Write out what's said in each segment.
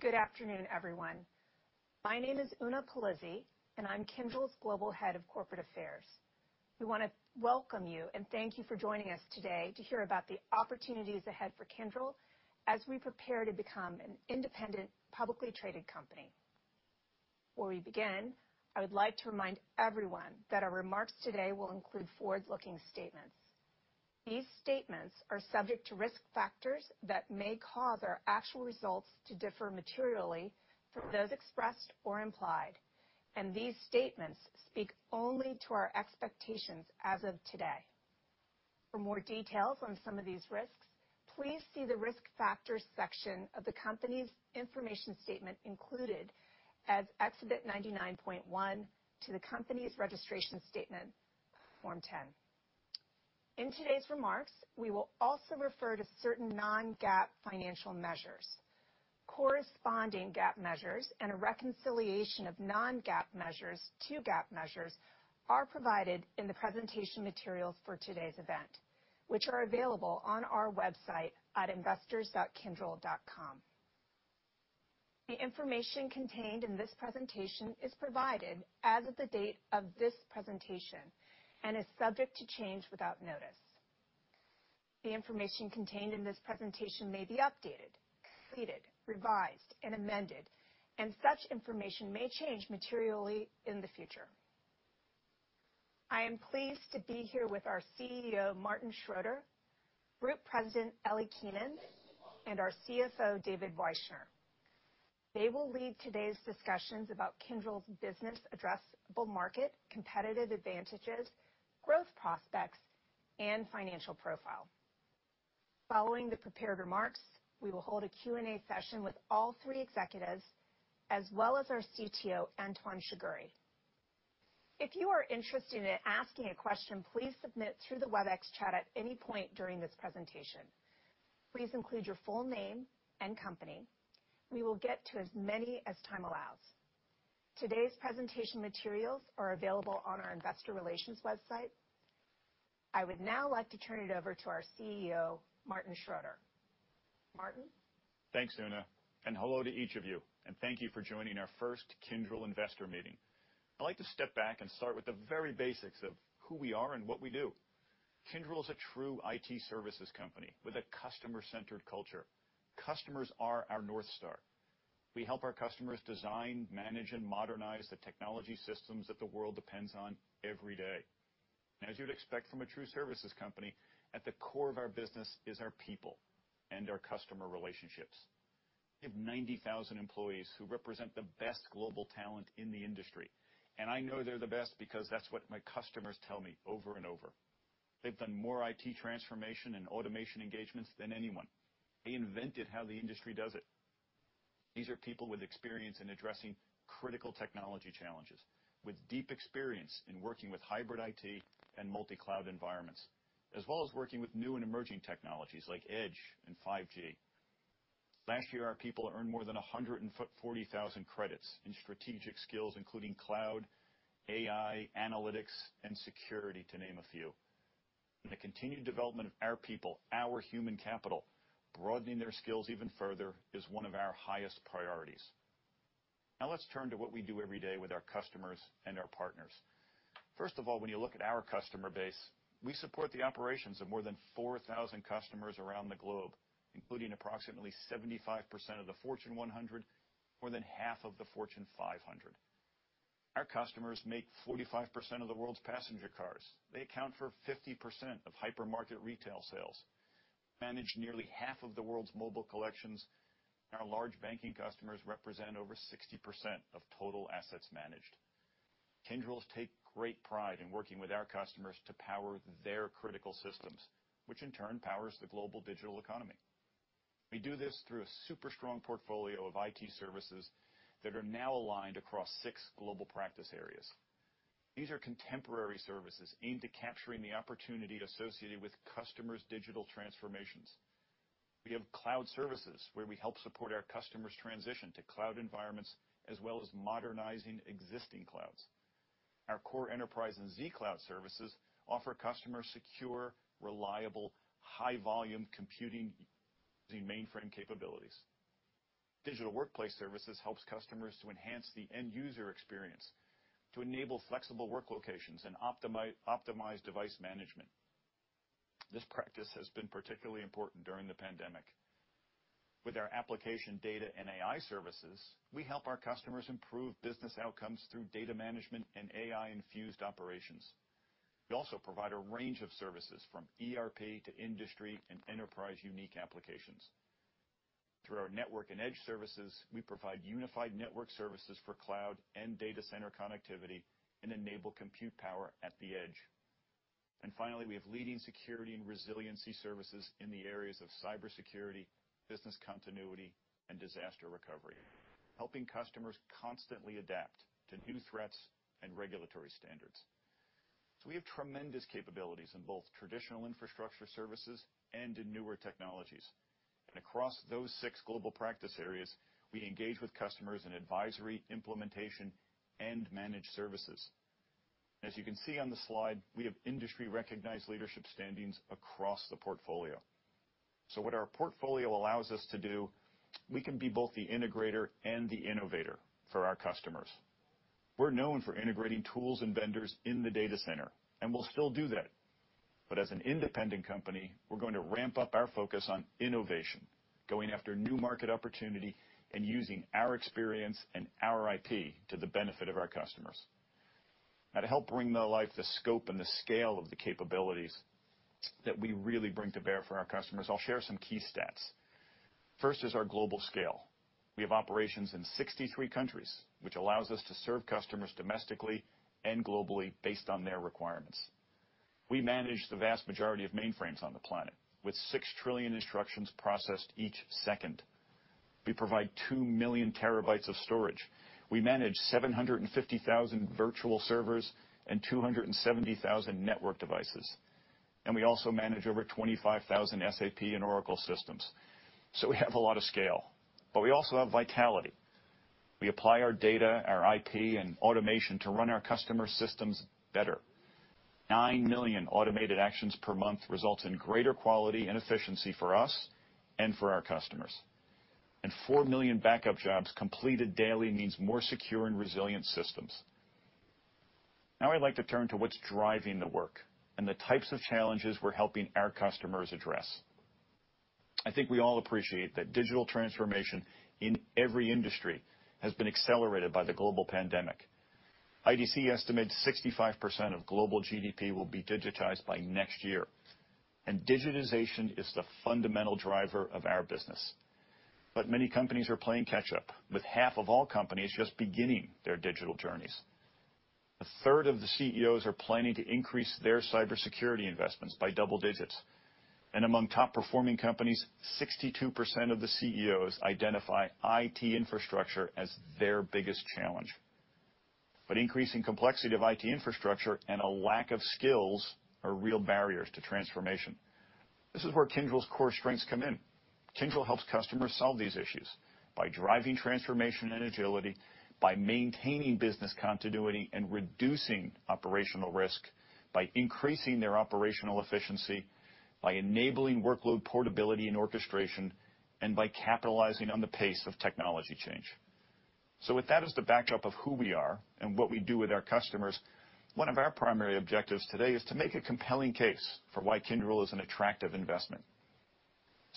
Good afternoon, everyone. My name is Una Pulizzi, and I'm Kyndryl's Global Head of Corporate Affairs. We want to welcome you and thank you for joining us today to hear about the opportunities ahead for Kyndryl as we prepare to become an independent, publicly traded company. Before we begin, I would like to remind everyone that our remarks today will include forward-looking statements. These statements are subject to risk factors that may cause our actual results to differ materially from those expressed or implied, and these statements speak only to our expectations as of today. For more details on some of these risks, please see the Risk Factors section of the company's information statement included as Exhibit 99.1 to the company's registration statement, Form 10. In today's remarks, we will also refer to certain non-GAAP financial measures. Corresponding GAAP measures and a reconciliation of non-GAAP measures to GAAP measures are provided in the presentation materials for today's event, which are available on our website at investors.kyndryl.com. The information contained in this presentation is provided as of the date of this presentation and is subject to change without notice. The information contained in this presentation may be updated, completed, revised, and amended, and such information may change materially in the future. I am pleased to be here with our CEO, Martin Schroeter, Group President, Elly Keinan, and our CFO, David Wyshner. They will lead today's discussions about Kyndryl's business addressable market, competitive advantages, growth prospects, and financial profile. Following the prepared remarks, we will hold a Q&A session with all three executives as well as our CTO, Antoine Shagoury. If you are interested in asking a question, please submit through the Webex chat at any point during this presentation. Please include your full name and company. We will get to as many as time allows. Today's presentation materials are available on our investor relations website. I would now like to turn it over to our CEO, Martin Schroeter. Martin? Thanks, Una, and hello to each of you, and thank you for joining our first Kyndryl investor meeting. I'd like to step back and start with the very basics of who we are and what we do. Kyndryl is a true IT services company with a customer-centered culture. Customers are our North Star. We help our customers design, manage, and modernize the technology systems that the world depends on every day. As you'd expect from a true services company, at the core of our business is our people and our customer relationships. We have 90,000 employees who represent the best global talent in the industry, and I know they're the best because that's what my customers tell me over and over. They've done more IT transformation and automation engagements than anyone. They invented how the industry does it. These are people with experience in addressing critical technology challenges, with deep experience in working with hybrid IT and multi-cloud environments, as well as working with new and emerging technologies like Edge and 5G. Last year, our people earned more than 140,000 credits in strategic skills, including cloud, AI, analytics, and security, to name a few. The continued development of our people, our human capital, broadening their skills even further, is one of our highest priorities. Let's turn to what we do every day with our customers and our partners. First of all, when you look at our customer base, we support the operations of more than 4,000 customers around the globe, including approximately 75% of the Fortune 100, more than half of the Fortune 500. Our customers make 45% of the world's passenger cars. They account for 50% of hypermarket retail sales, manage nearly half of the world's mobile collections, and our large banking customers represent over 60% of total assets managed. Kyndryl takes great pride in working with our customers to power their critical systems, which in turn powers the global digital economy. We do this through a super strong portfolio of IT services that are now aligned across six global practice areas. These are contemporary services aimed at capturing the opportunity associated with customers' digital transformations. We have cloud services where we help support our customers' transition to cloud environments, as well as modernizing existing clouds. Our core enterprise and zCloud services offer customers secure, reliable, high-volume computing mainframe capabilities. Digital workplace services helps customers to enhance the end-user experience to enable flexible work locations and optimize device management. This practice has been particularly important during the pandemic. With our application data and AI services, we help our customers improve business outcomes through data management and AI-infused operations. We also provide a range of services from ERP to industry and enterprise-unique applications. Through our network and Edge services, we provide unified network services for cloud and data center connectivity and enable compute power at the Edge. Finally, we have leading security and resiliency services in the areas of cybersecurity, business continuity, and disaster recovery, helping customers constantly adapt to new threats and regulatory standards. We have tremendous capabilities in both traditional infrastructure services and in newer technologies. Across those six global practice areas, we engage with customers in advisory, implementation, and managed services. As you can see on the slide, we have industry-recognized leadership standings across the portfolio. What our portfolio allows us to do, we can be both the integrator and the innovator for our customers. We're known for integrating tools and vendors in the data center, and we'll still do that. As an independent company, we're going to ramp up our focus on innovation, going after new market opportunity, and using our experience and our IP to the benefit of our customers. To help bring to life the scope and the scale of the capabilities that we really bring to bear for our customers, I'll share some key stats. First is our global scale. We have operations in 63 countries, which allows us to serve customers domestically and globally based on their requirements. We manage the vast majority of mainframes on the planet, with six trillion instructions processed each second. We provide 2 million TB of storage. We manage 750,000 virtual servers and 270,000 network devices. We also manage over 25,000 SAP and Oracle systems. We have a lot of scale. We also have vitality. We apply our data, our IP, and automation to run our customers' systems better. Nine million automated actions per month result in greater quality and efficiency for us and for our customers. Four million backup jobs completed daily means more secure and resilient systems. Now I'd like to turn to what's driving the work and the types of challenges we're helping our customers address. I think we all appreciate that digital transformation in every industry has been accelerated by the global pandemic. IDC estimates 65% of global GDP will be digitized by next year, and digitization is the fundamental driver of our business. Many companies are playing catch up, with half of all companies just beginning their digital journeys. A third of the CEOs are planning to increase their cybersecurity investments by double digits, and among top-performing companies, 62% of the CEOs identify IT infrastructure as their biggest challenge. Increasing complexity of IT infrastructure and a lack of skills are real barriers to transformation. This is where Kyndryl's core strengths come in. Kyndryl helps customers solve these issues by driving transformation and agility, by maintaining business continuity and reducing operational risk, by increasing their operational efficiency, by enabling workload portability and orchestration, and by capitalizing on the pace of technology change. With that as the backdrop of who we are and what we do with our customers, one of our primary objectives today is to make a compelling case for why Kyndryl is an attractive investment.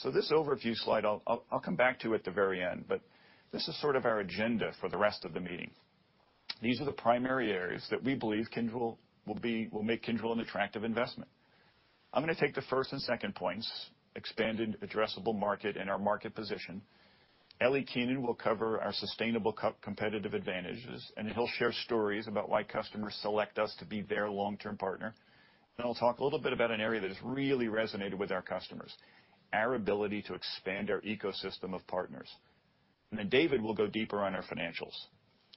This overview slide, I'll come back to at the very end, but this is sort of our agenda for the rest of the meeting. These are the primary areas that we believe will make Kyndryl an attractive investment. I'm going to take the first and second points, expanded addressable market and our market position. Elly Keinan will cover our sustainable competitive advantages, and he'll share stories about why customers select us to be their long-term partner. I'll talk a little bit about an area that has really resonated with our customers, our ability to expand our ecosystem of partners. David will go deeper on our financials.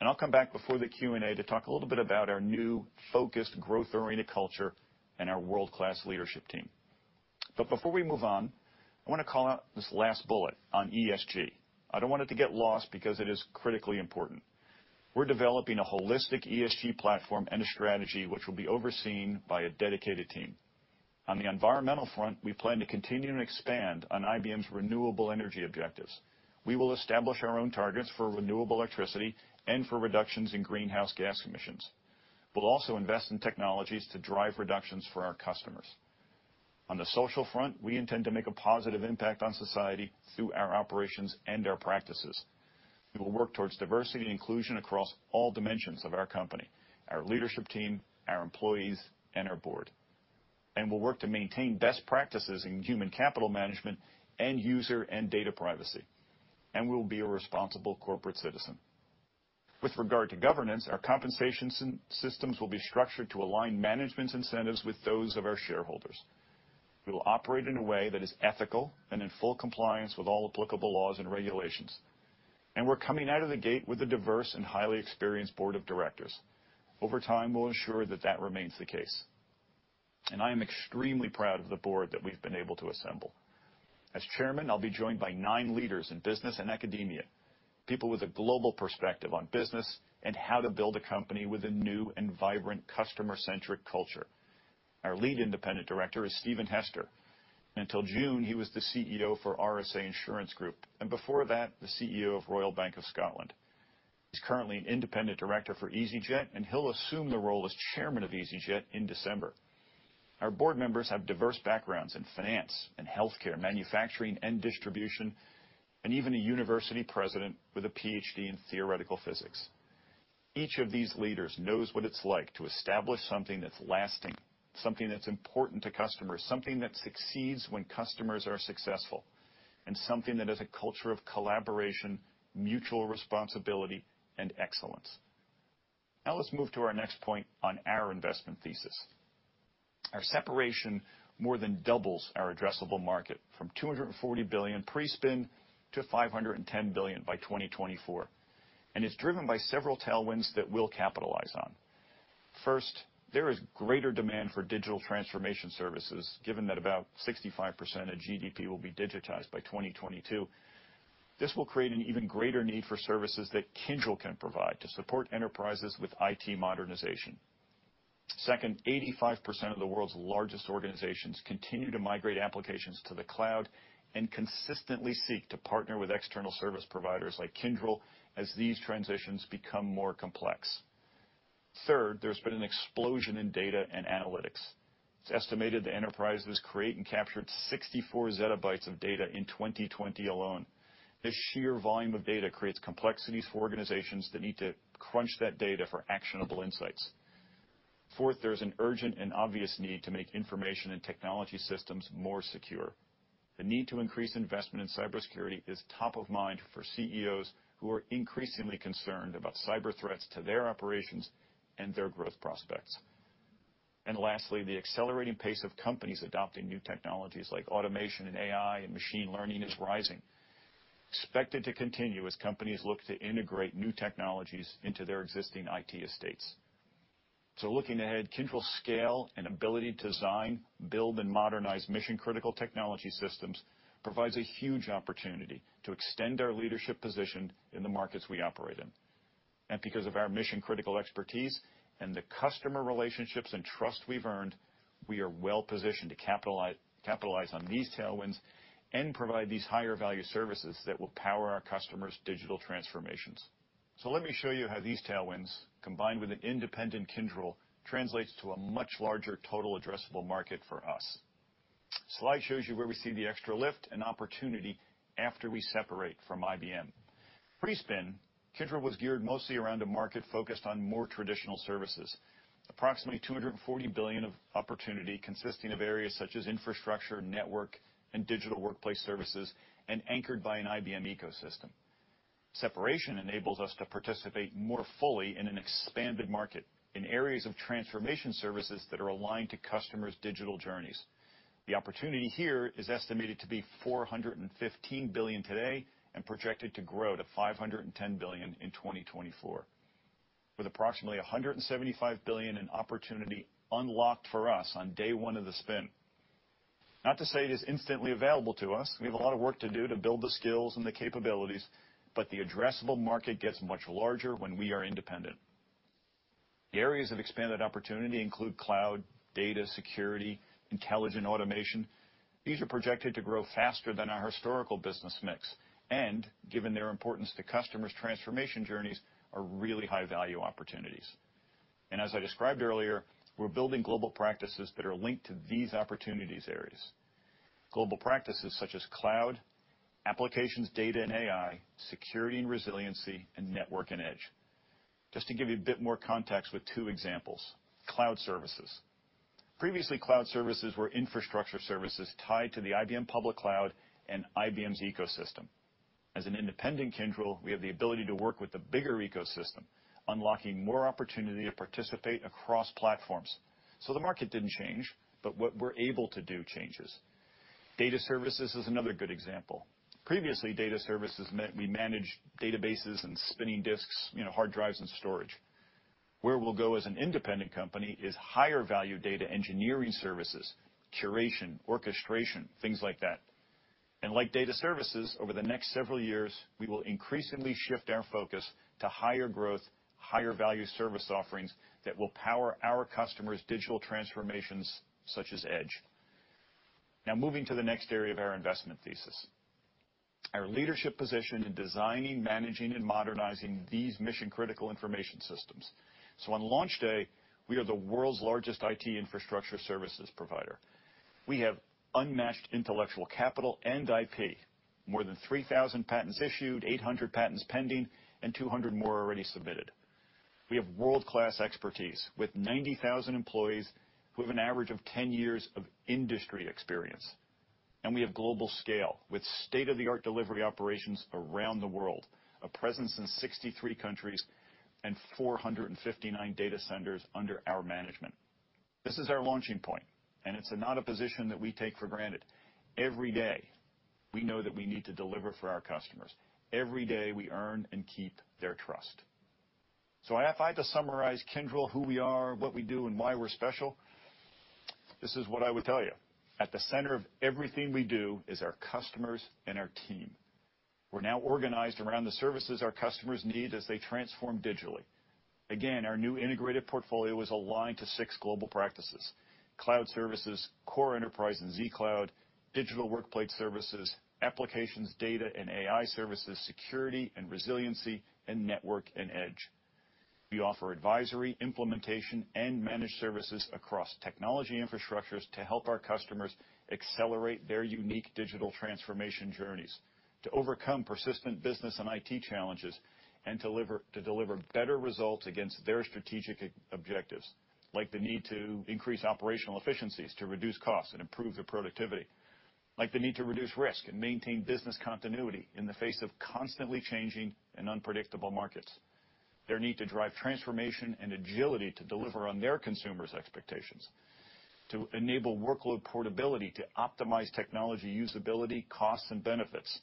I'll come back before the Q&A to talk a little bit about our new focused growth-oriented culture and our world-class leadership team. Before we move on, I want to call out this last bullet on ESG. I don't want it to get lost because it is critically important. We're developing a holistic ESG platform and a strategy which will be overseen by a dedicated team. On the environmental front, we plan to continue to expand on IBM's renewable energy objectives. We will establish our own targets for renewable electricity and for reductions in greenhouse gas emissions. We'll also invest in technologies to drive reductions for our customers. On the social front, we intend to make a positive impact on society through our operations and our practices. We will work towards diversity and inclusion across all dimensions of our company, our leadership team, our employees, and our board. We'll work to maintain best practices in human capital management and user and data privacy. We will be a responsible corporate citizen. With regard to governance, our compensation systems will be structured to align management's incentives with those of our shareholders. We will operate in a way that is ethical and in full compliance with all applicable laws and regulations. We're coming out of the gate with a diverse and highly experienced board of directors. Over time, we'll ensure that that remains the case. I am extremely proud of the board that we've been able to assemble. As Chairman, I'll be joined by nine leaders in business and academia, people with a global perspective on business and how to build a company with a new and vibrant customer-centric culture. Our Lead Independent Director is Stephen Hester. Until June, he was the CEO for RSA Insurance Group, before that, the CEO of Royal Bank of Scotland. He's currently an independent director for easyJet, and he'll assume the role as chairman of easyJet in December. Our board members have diverse backgrounds in finance and healthcare, manufacturing and distribution, and even a University President with a PhD in theoretical physics. Each of these leaders knows what it's like to establish something that's lasting, something that's important to customers, something that succeeds when customers are successful, and something that has a culture of collaboration, mutual responsibility, and excellence. Now let's move to our next point on our investment thesis. Our separation more than doubles our addressable market from $240 billion pre-spin to $510 billion by 2024, and it's driven by several tailwinds that we'll capitalize on. First, there is greater demand for digital transformation services, given that about 65% of GDP will be digitized by 2022. This will create an even greater need for services that Kyndryl can provide to support enterprises with IT modernization. Second, 85% of the world's largest organizations continue to migrate applications to the cloud and consistently seek to partner with external service providers like Kyndryl as these transitions become more complex. Third, there's been an explosion in data and analytics. It's estimated that enterprises create and captured 64 ZB of data in 2020 alone. This sheer volume of data creates complexities for organizations that need to crunch that data for actionable insights. Fourth, there's an urgent and obvious need to make information and technology systems more secure. The need to increase investment in cybersecurity is top of mind for CEOs who are increasingly concerned about cyber threats to their operations and their growth prospects. Lastly, the accelerating pace of companies adopting new technologies like automation and AI and machine learning is rising, expected to continue as companies look to integrate new technologies into their existing IT estates. Looking ahead, Kyndryl's scale and ability to design, build, and modernize mission-critical technology systems provides a huge opportunity to extend our leadership position in the markets we operate in. Because of our mission-critical expertise and the customer relationships and trust we've earned, we are well positioned to capitalize on these tailwinds and provide these higher value services that will power our customers' digital transformations. Let me show you how these tailwinds, combined with an independent Kyndryl, translates to a much larger total addressable market for us. Slide shows you where we see the extra lift and opportunity after we separate from IBM. Pre-spin, Kyndryl was geared mostly around a market focused on more traditional services. Approximately $240 billion of opportunity consisting of areas such as infrastructure, network, and digital workplace services, and anchored by an IBM ecosystem. Separation enables us to participate more fully in an expanded market in areas of transformation services that are aligned to customers' digital journeys. The opportunity here is estimated to be $415 billion today and projected to grow to $510 billion in 2024, with approximately $175 billion in opportunity unlocked for us on day one of the spin. Not to say it is instantly available to us. The addressable market gets much larger when we are independent. The areas of expanded opportunity include cloud, data security, intelligent automation. These are projected to grow faster than our historical business mix, and given their importance to customers' transformation journeys, are really high-value opportunities. As I described earlier, we're building global practices that are linked to these opportunities areas. Global practices such as cloud, applications, data and AI, security and resiliency, and network and Edge. Just to give you a bit more context with two examples. Cloud services. Previously, cloud services were infrastructure services tied to the IBM public cloud and IBM's ecosystem. As an independent Kyndryl, we have the ability to work with the bigger ecosystem, unlocking more opportunity to participate across platforms. The market didn't change, but what we're able to do changes. Data services is another good example. Previously, data services meant we managed databases and spinning disks, hard drives and storage. Where we'll go as an independent company is higher value data engineering services, curation, orchestration, things like that. Like data services, over the next several years, we will increasingly shift our focus to higher growth, higher value service offerings that will power our customers' digital transformations, such as Edge. Moving to the next area of our investment thesis, our leadership position in designing, managing, and modernizing these mission-critical information systems. On launch day, we are the world's largest IT infrastructure services provider. We have unmatched intellectual capital and IP. More than 3,000 patents issued, 800 patents pending, and 200 more already submitted. We have world-class expertise with 90,000 employees who have an average of 10 years of industry experience. We have global scale with state-of-the-art delivery operations around the world, a presence in 63 countries and 459 data centers under our management. This is our launching point, and it's not a position that we take for granted. Every day, we know that we need to deliver for our customers. Every day, we earn and keep their trust. If I had to summarize Kyndryl, who we are, what we do, and why we're special, this is what I would tell you. At the center of everything we do is our customers and our team. We're now organized around the services our customers need as they transform digitally. Again, our new integrated portfolio is aligned to six global practices: cloud services, core enterprise and zCloud, digital workplace services, applications, data, and AI services, security and resiliency, and network and Edge. We offer advisory, implementation, and managed services across technology infrastructures to help our customers accelerate their unique digital transformation journeys, to overcome persistent business and IT challenges, and to deliver better results against their strategic objectives, like the need to increase operational efficiencies to reduce costs and improve their productivity. Like the need to reduce risk and maintain business continuity in the face of constantly changing and unpredictable markets. Their need to drive transformation and agility to deliver on their consumers' expectations. To enable workload portability to optimize technology usability, costs, and benefits,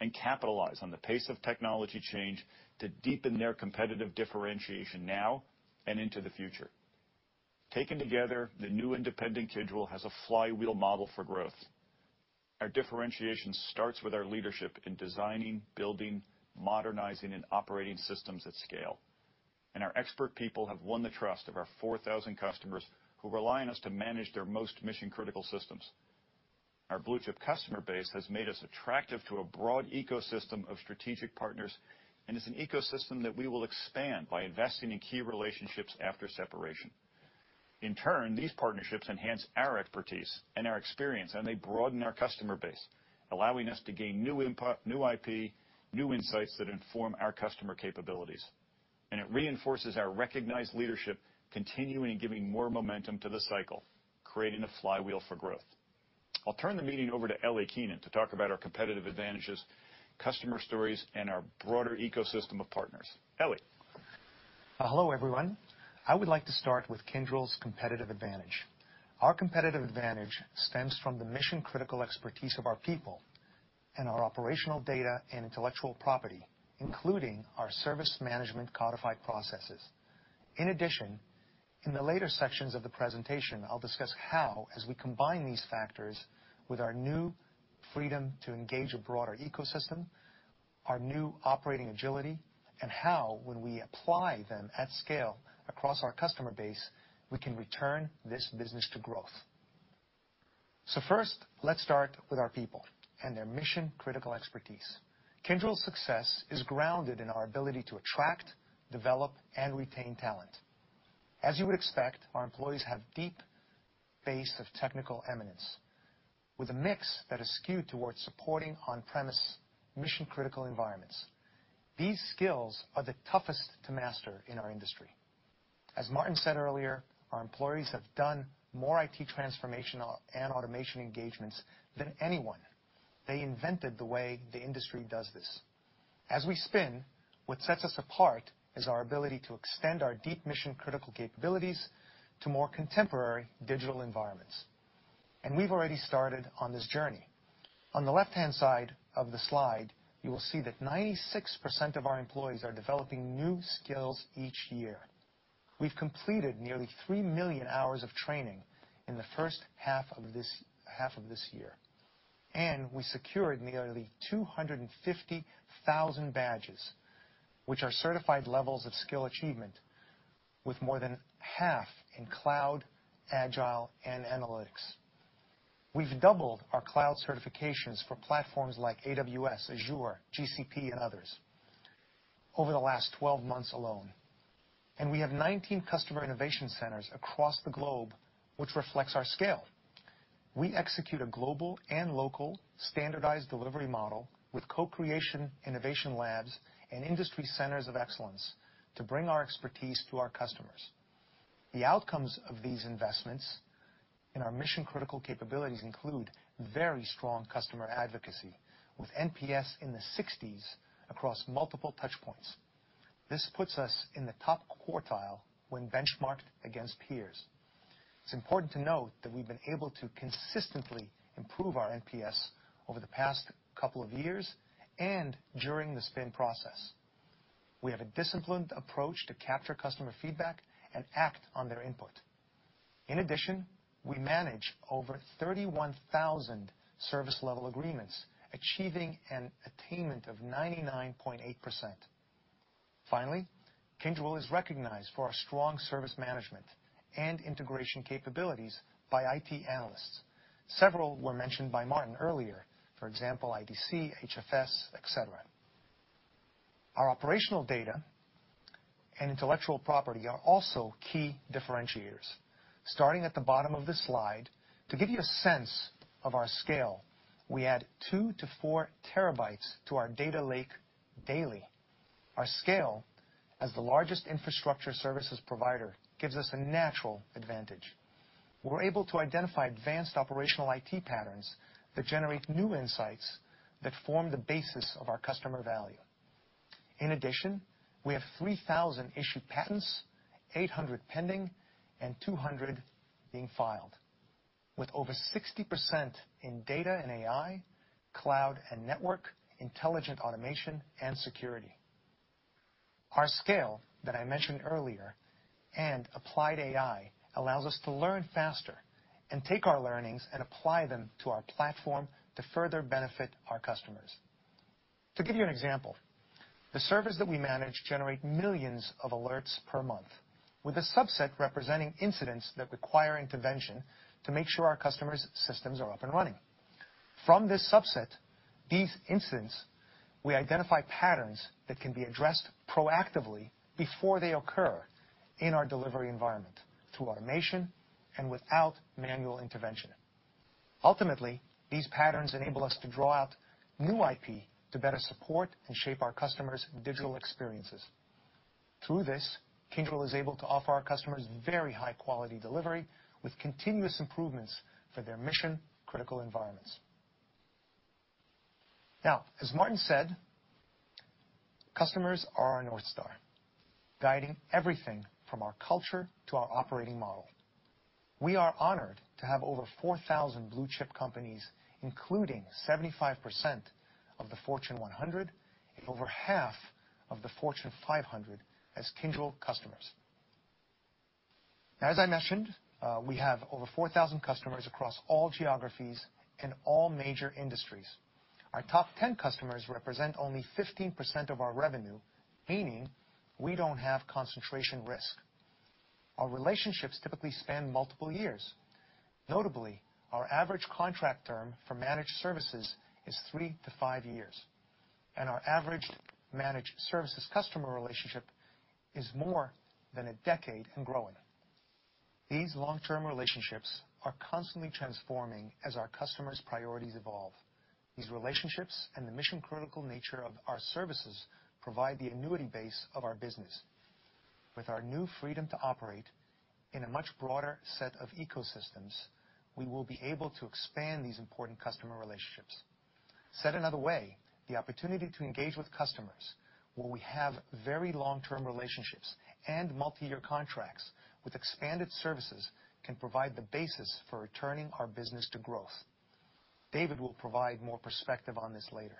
and capitalize on the pace of technology change to deepen their competitive differentiation now and into the future. Taken together, the new independent Kyndryl has a flywheel model for growth. Our differentiation starts with our leadership in designing, building, modernizing, and operating systems at scale. Our expert people have won the trust of our 4,000 customers who rely on us to manage their most mission-critical systems. Our blue-chip customer base has made us attractive to a broad ecosystem of strategic partners and is an ecosystem that we will expand by investing in key relationships after separation. In turn, these partnerships enhance our expertise and our experience, and they broaden our customer base, allowing us to gain new input, new IP, new insights that inform our customer capabilities. It reinforces our recognized leadership, continuing giving more momentum to the cycle, creating a flywheel for growth. I'll turn the meeting over to Elly Keinan to talk about our competitive advantages, customer stories, and our broader ecosystem of partners. Elly. Hello, everyone. I would like to start with Kyndryl's competitive advantage. Our competitive advantage stems from the mission-critical expertise of our people and our operational data and intellectual property, including our service management codified processes. In addition, in the later sections of the presentation, I'll discuss how, as we combine these factors with our new freedom to engage a broader ecosystem, our new operating agility, and how, when we apply them at scale across our customer base, we can return this business to growth. First, let's start with our people and their mission-critical expertise. Kyndryl's success is grounded in our ability to attract, develop, and retain talent. As you would expect, our employees have deep base of technical eminence with a mix that is skewed towards supporting on-premises mission-critical environments. These skills are the toughest to master in our industry. As Martin said earlier, our employees have done more IT transformational and automation engagements than anyone. They invented the way the industry does this. As we spin, what sets us apart is our ability to extend our deep mission-critical capabilities to more contemporary digital environments. We've already started on this journey. On the left-hand side of the slide, you will see that 96% of our employees are developing new skills each year. We've completed nearly three million hours of training in the first half of this year, and we secured nearly 250,000 badges, which are certified levels of skill achievement with more than half in cloud, agile, and analytics. We've doubled our cloud certifications for platforms like AWS, Azure, GCP, and others over the last 12 months alone. We have 19 customer innovation centers across the globe, which reflects our scale. We execute a global and local standardized delivery model with co-creation innovation labs and industry centers of excellence to bring our expertise to our customers. The outcomes of these investments in our mission-critical capabilities include very strong customer advocacy with NPS in the 60s across multiple touchpoints. This puts us in the top quartile when benchmarked against peers. It's important to note that we've been able to consistently improve our NPS over the past couple of years and during the spin process. We have a disciplined approach to capture customer feedback and act on their input. In addition, we manage over 31,000 service-level agreements, achieving an attainment of 99.8%. Finally, Kyndryl is recognized for our strong service management and integration capabilities by IT analysts. Several were mentioned by Martin earlier, for example, IDC, HFS, et cetera. Our operational data and intellectual property are also key differentiators. Starting at the bottom of this slide, to give you a sense of our scale, we add 2 TB-4 TB to our data lake daily. Our scale as the largest infrastructure services provider gives us a natural advantage. We're able to identify advanced operational IT patterns that generate new insights that form the basis of our customer value. In addition, we have 3,000 issued patents, 800 pending, and 200 being filed, with over 60% in data and AI, cloud and network, intelligent automation, and security. Our scale that I mentioned earlier, and applied AI allows us to learn faster and take our learnings and apply them to our platform to further benefit our customers. To give you an example, the servers that we manage generate millions of alerts per month, with a subset representing incidents that require intervention to make sure our customers' systems are up and running. From this subset, these incidents, we identify patterns that can be addressed proactively before they occur in our delivery environment through automation and without manual intervention. Ultimately, these patterns enable us to draw out new IP to better support and shape our customers' digital experiences. Through this, Kyndryl is able to offer our customers very high-quality delivery with continuous improvements for their mission-critical environments. Now, as Martin said, customers are our North Star, guiding everything from our culture to our operating model. We are honored to have over 4,000 blue-chip companies, including 75% of the Fortune 100 and over half of the Fortune 500, as Kyndryl customers. As I mentioned, we have over 4,000 customers across all geographies and all major industries. Our top 10 customers represent only 15% of our revenue, meaning we don't have concentration risk. Our relationships typically span multiple years. Notably, our average contract term for managed services is three to five years, and our average managed services customer relationship is more than a decade and growing. These long-term relationships are constantly transforming as our customers' priorities evolve. These relationships and the mission-critical nature of our services provide the annuity base of our business. With our new freedom to operate in a much broader set of ecosystems, we will be able to expand these important customer relationships. Said another way, the opportunity to engage with customers where we have very long-term relationships and multi-year contracts with expanded services can provide the basis for returning our business to growth. David will provide more perspective on this later.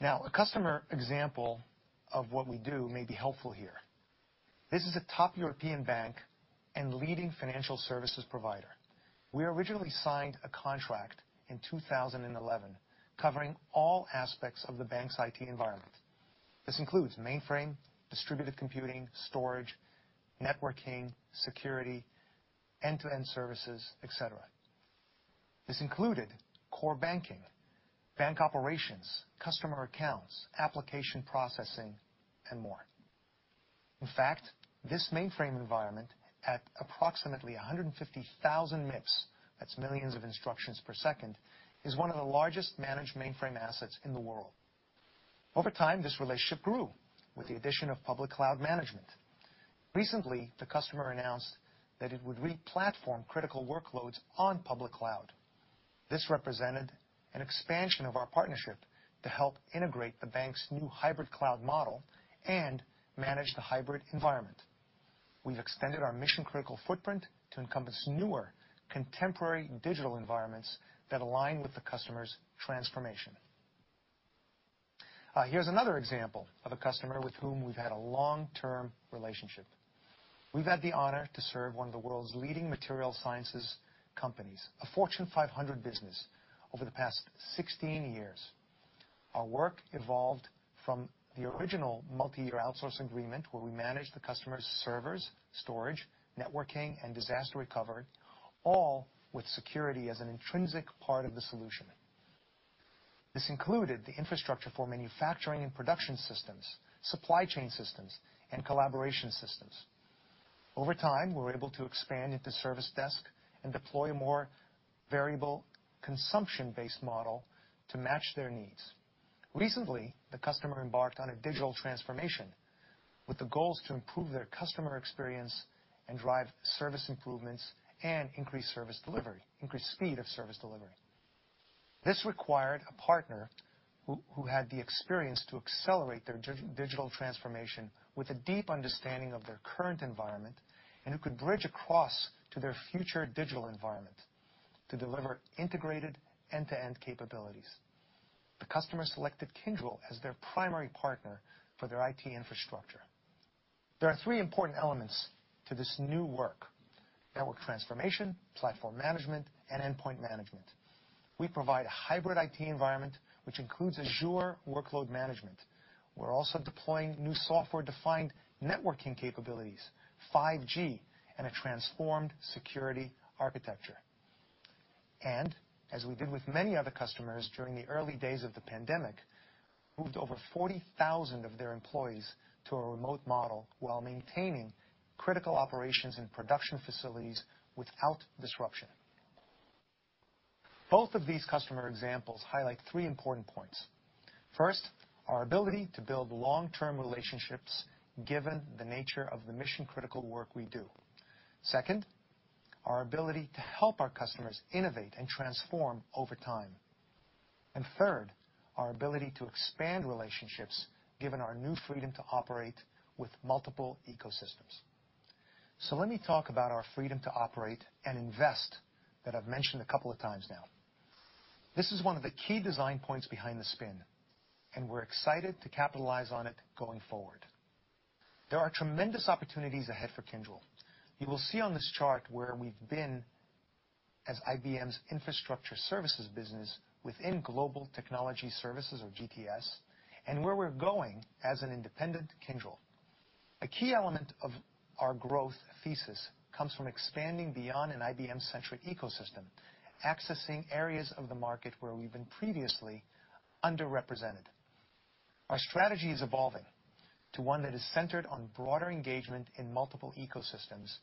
Now, a customer example of what we do may be helpful here. This is a top European bank and leading financial services provider. We originally signed a contract in 2011 covering all aspects of the bank's IT environment. This includes mainframe, distributed computing, storage, networking, security, end-to-end services, et cetera. This included core banking, bank operations, customer accounts, application processing, and more. In fact, this mainframe environment, at approximately 150,000 MIPS, that's millions of instructions per second, is one of the largest managed mainframe assets in the world. Over time, this relationship grew with the addition of public cloud management. Recently, the customer announced that it would re-platform critical workloads on public cloud. This represented an expansion of our partnership to help integrate the bank's new hybrid cloud model and manage the hybrid environment. We've extended our mission-critical footprint to encompass newer contemporary digital environments that align with the customer's transformation. Here's another example of a customer with whom we've had a long-term relationship. We've had the honor to serve one of the world's leading material sciences companies, a Fortune 500 business, over the past 16 years. Our work evolved from the original multi-year outsource agreement, where we managed the customer's servers, storage, networking, and disaster recovery, all with security as an intrinsic part of the solution. This included the infrastructure for manufacturing and production systems, supply chain systems, and collaboration systems. Over time, we were able to expand into service desk and deploy a more variable consumption-based model to match their needs. Recently, the customer embarked on a digital transformation with the goals to improve their customer experience and drive service improvements and increase speed of service delivery. This required a partner who had the experience to accelerate their digital transformation with a deep understanding of their current environment and who could bridge across to their future digital environment to deliver integrated end-to-end capabilities. The customer selected Kyndryl as their primary partner for their IT infrastructure. There are three important elements to this new work: network transformation, platform management, and endpoint management. We provide a hybrid IT environment, which includes Azure workload management. We're also deploying new software-defined networking capabilities, 5G, and a transformed security architecture. As we did with many other customers during the early days of the pandemic, moved over 40,000 of their employees to a remote model while maintaining critical operations and production facilities without disruption. Both of these customer examples highlight three important points. First, our ability to build long-term relationships given the nature of the mission-critical work we do. Second, our ability to help our customers innovate and transform over time. Third, our ability to expand relationships given our new freedom to operate with multiple ecosystems. Let me talk about our freedom to operate and invest that I've mentioned a couple of times now. This is one of the key design points behind the spin, and we're excited to capitalize on it going forward. There are tremendous opportunities ahead for Kyndryl. You will see on this chart where we've been as IBM's infrastructure services business within Global Technology Services, or GTS, and where we're going as an independent Kyndryl. A key element of our growth thesis comes from expanding beyond an IBM-centric ecosystem, accessing areas of the market where we've been previously underrepresented. Our strategy is evolving to one that is centered on broader engagement in multiple ecosystems,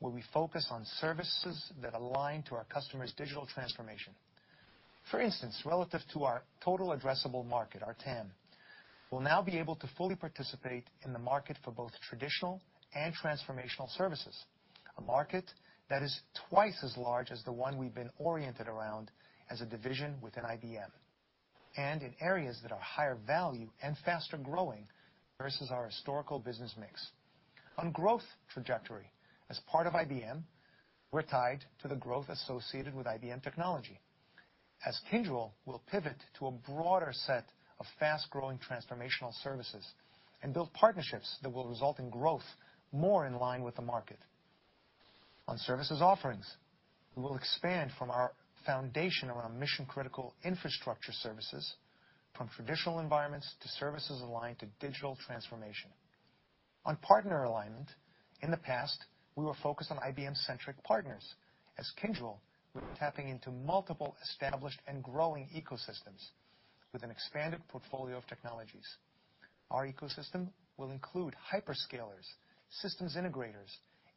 where we focus on services that align to our customers' digital transformation. For instance, relative to our total addressable market, our TAM, we'll now be able to fully participate in the market for both traditional and transformational services, a market that is twice as large as the one we've been oriented around as a division within IBM. In areas that are higher value and faster-growing versus our historical business mix. On growth trajectory, as part of IBM, we're tied to the growth associated with IBM technology. As Kyndryl, we'll pivot to a broader set of fast-growing transformational services and build partnerships that will result in growth more in line with the market. On services offerings, we will expand from our foundation around mission-critical infrastructure services from traditional environments to services aligned to digital transformation. On partner alignment, in the past, we were focused on IBM-centric partners. As Kyndryl, we're tapping into multiple established and growing ecosystems with an expanded portfolio of technologies. Our ecosystem will include hyperscalers, systems integrators,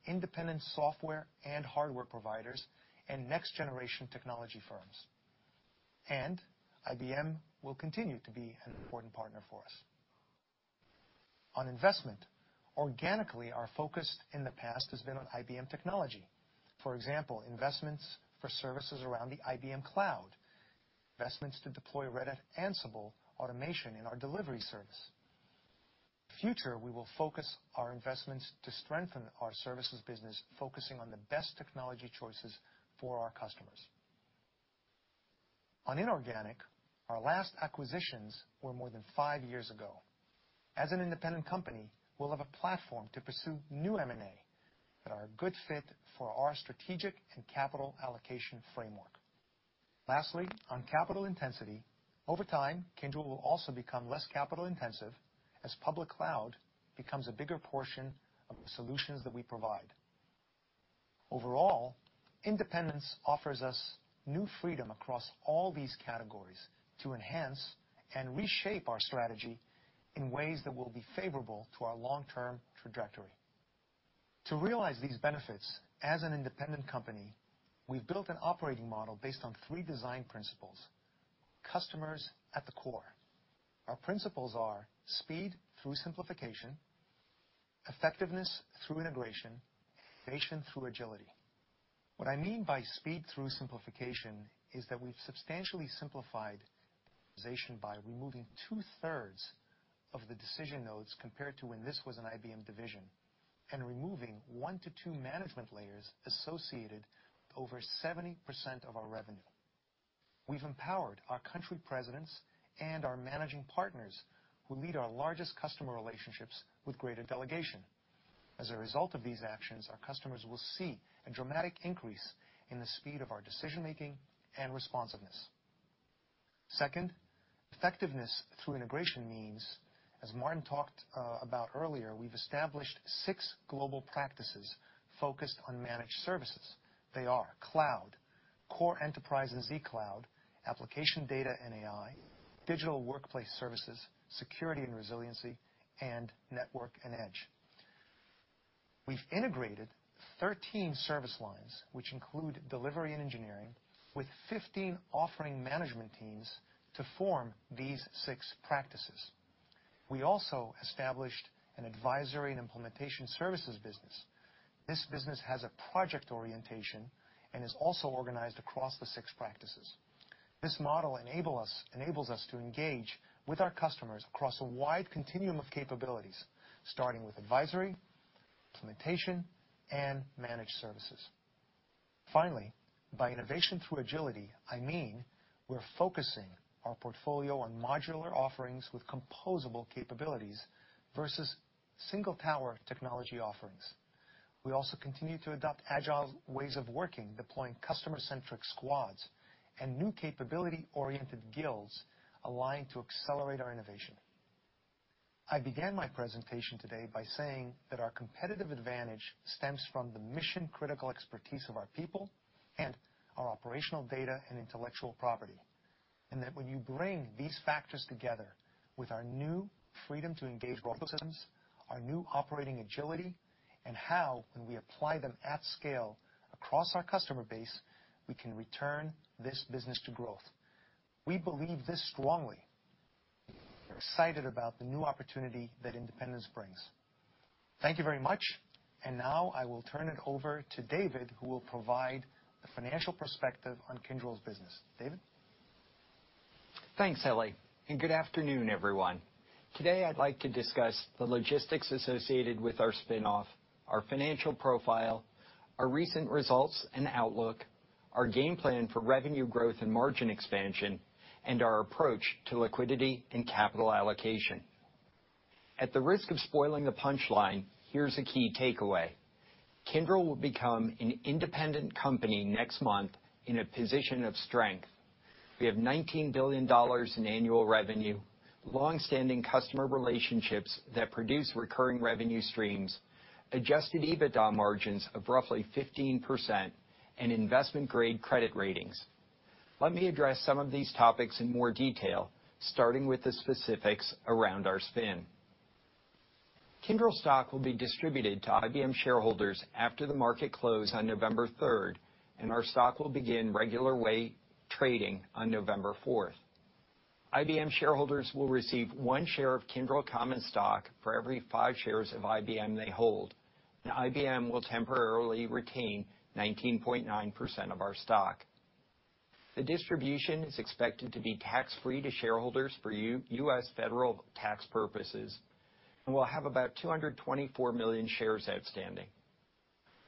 independent software and hardware providers, and next-generation technology firms. IBM will continue to be an important partner for us. On investment, organically, our focus in the past has been on IBM technology. For example, investments for services around the IBM Cloud, investments to deploy Red Hat Ansible automation in our delivery service. In the future, we will focus our investments to strengthen our services business, focusing on the best technology choices for our customers. On inorganic, our last acquisitions were more than five years ago. As an independent company, we'll have a platform to pursue new M&A that are a good fit for our strategic and capital allocation framework. Lastly, on capital intensity, over time, Kyndryl will also become less capital intensive as public cloud becomes a bigger portion of the solutions that we provide. Overall, independence offers us new freedom across all these categories to enhance and reshape our strategy in ways that will be favorable to our long-term trajectory. To realize these benefits as an independent company, we've built an operating model based on three design principles, customers at the core. Our principles are speed through simplification, effectiveness through integration, innovation through agility. What I mean by speed through simplification is that we've substantially simplified organization by removing 2/3 of the decision nodes compared to when this was an IBM division, and removing one to two management layers associated with over 70% of our revenue. We've empowered our country presidents and our managing partners who lead our largest customer relationships with greater delegation. As a result of these actions, our customers will see a dramatic increase in the speed of our decision-making and responsiveness. Second, effectiveness through integration means, as Martin talked about earlier, we've established six global practices focused on managed services. They are cloud, core enterprise and zCloud, application, data, and AI, digital workplace services, security and resiliency, and network and Edge. We've integrated 13 service lines, which include delivery and engineering, with 15 offering management teams to form these six practices. We also established an advisory and implementation services business. This business has a project orientation and is also organized across the six practices. This model enables us to engage with our customers across a wide continuum of capabilities, starting with advisory, implementation, and managed services. Finally, by innovation through agility, I mean we're focusing our portfolio on modular offerings with composable capabilities versus single tower technology offerings. We also continue to adopt agile ways of working, deploying customer-centric squads and new capability-oriented guilds aligned to accelerate our innovation. I began my presentation today by saying that our competitive advantage stems from the mission-critical expertise of our people and our operational data and intellectual property, and that when you bring these factors together with our new freedom to engage ecosystems, our new operating agility, and how when we apply them at scale across our customer base, we can return this business to growth. We believe this strongly. We're excited about the new opportunity that independence brings. Thank you very much. Now I will turn it over to David, who will provide the financial perspective on Kyndryl's business. David? Thanks, Elly, and good afternoon, everyone. Today, I'd like to discuss the logistics associated with our spin-off, our financial profile, our recent results and outlook, our game plan for revenue growth and margin expansion, and our approach to liquidity and capital allocation. At the risk of spoiling the punchline, here's a key takeaway. Kyndryl will become an independent company next month in a position of strength. We have $19 billion in annual revenue, long-standing customer relationships that produce recurring revenue streams, adjusted EBITDA margins of roughly 15%, and investment-grade credit ratings. Let me address some of these topics in more detail, starting with the specifics around our spin. Kyndryl stock will be distributed to IBM shareholders after the market close on November 3rd, and our stock will begin regular way trading on November 4th. IBM shareholders will receive one share of Kyndryl common stock for every five shares of IBM they hold. IBM will temporarily retain 19.9% of our stock. The distribution is expected to be tax-free to shareholders for U.S. federal tax purposes and will have about 224 million shares outstanding.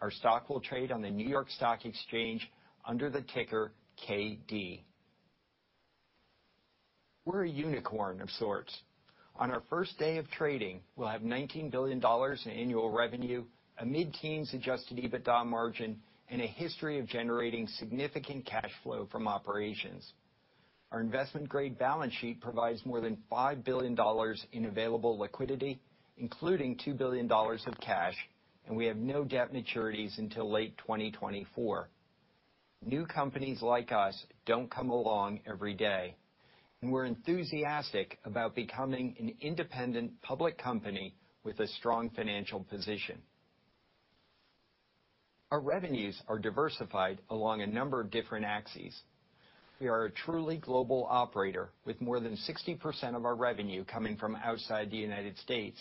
Our stock will trade on the New York Stock Exchange under the ticker KD. We're a unicorn of sorts. On our first day of trading, we'll have $19 billion in annual revenue, a mid-10s adjusted EBITDA margin, and a history of generating significant cash flow from operations. Our investment-grade balance sheet provides more than $5 billion in available liquidity, including $2 billion of cash, and we have no debt maturities until late 2024. New companies like us don't come along every day, and we're enthusiastic about becoming an independent public company with a strong financial position. Our revenues are diversified along a number of different axes. We are a truly global operator with more than 60% of our revenue coming from outside the United States.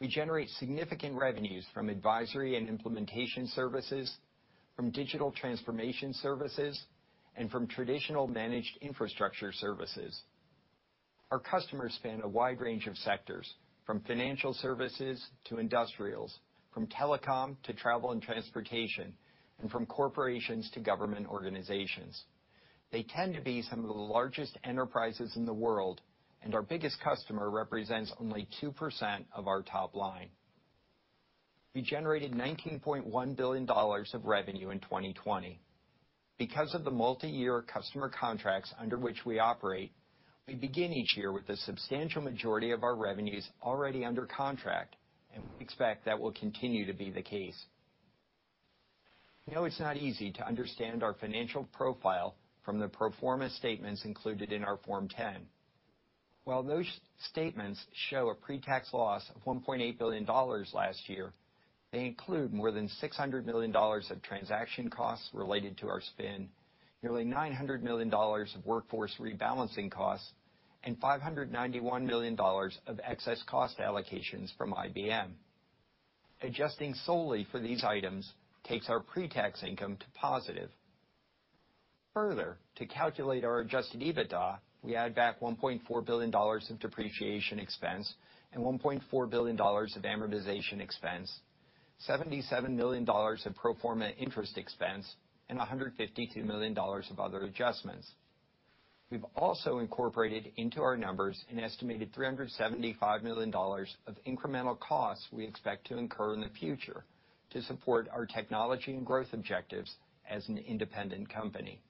We generate significant revenues from advisory and implementation services, from digital transformation services, and from traditional managed infrastructure services. Our customers span a wide range of sectors, from financial services to industrials, from telecom to travel and transportation, and from corporations to government organizations. They tend to be some of the largest enterprises in the world, and our biggest customer represents only 2% of our top line. We generated $19.1 billion of revenue in 2020. Because of the multi-year customer contracts under which we operate, we begin each year with the substantial majority of our revenues already under contract, and we expect that will continue to be the case. We know it's not easy to understand our financial profile from the pro forma statements included in our Form 10. While those statements show a pre-tax loss of $1.8 billion last year, they include more than $600 million of transaction costs related to our spin, nearly $900 million of workforce rebalancing costs, and $591 million of excess cost allocations from IBM. Adjusting solely for these items takes our pre-tax income to positive. To calculate our adjusted EBITDA, we add back $1.4 billion of depreciation expense and $1.4 billion of amortization expense, $77 million of pro forma interest expense, and $152 million of other adjustments. We've also incorporated into our numbers an estimated $375 million of incremental costs we expect to incur in the future to support our technology and growth objectives as an independent company.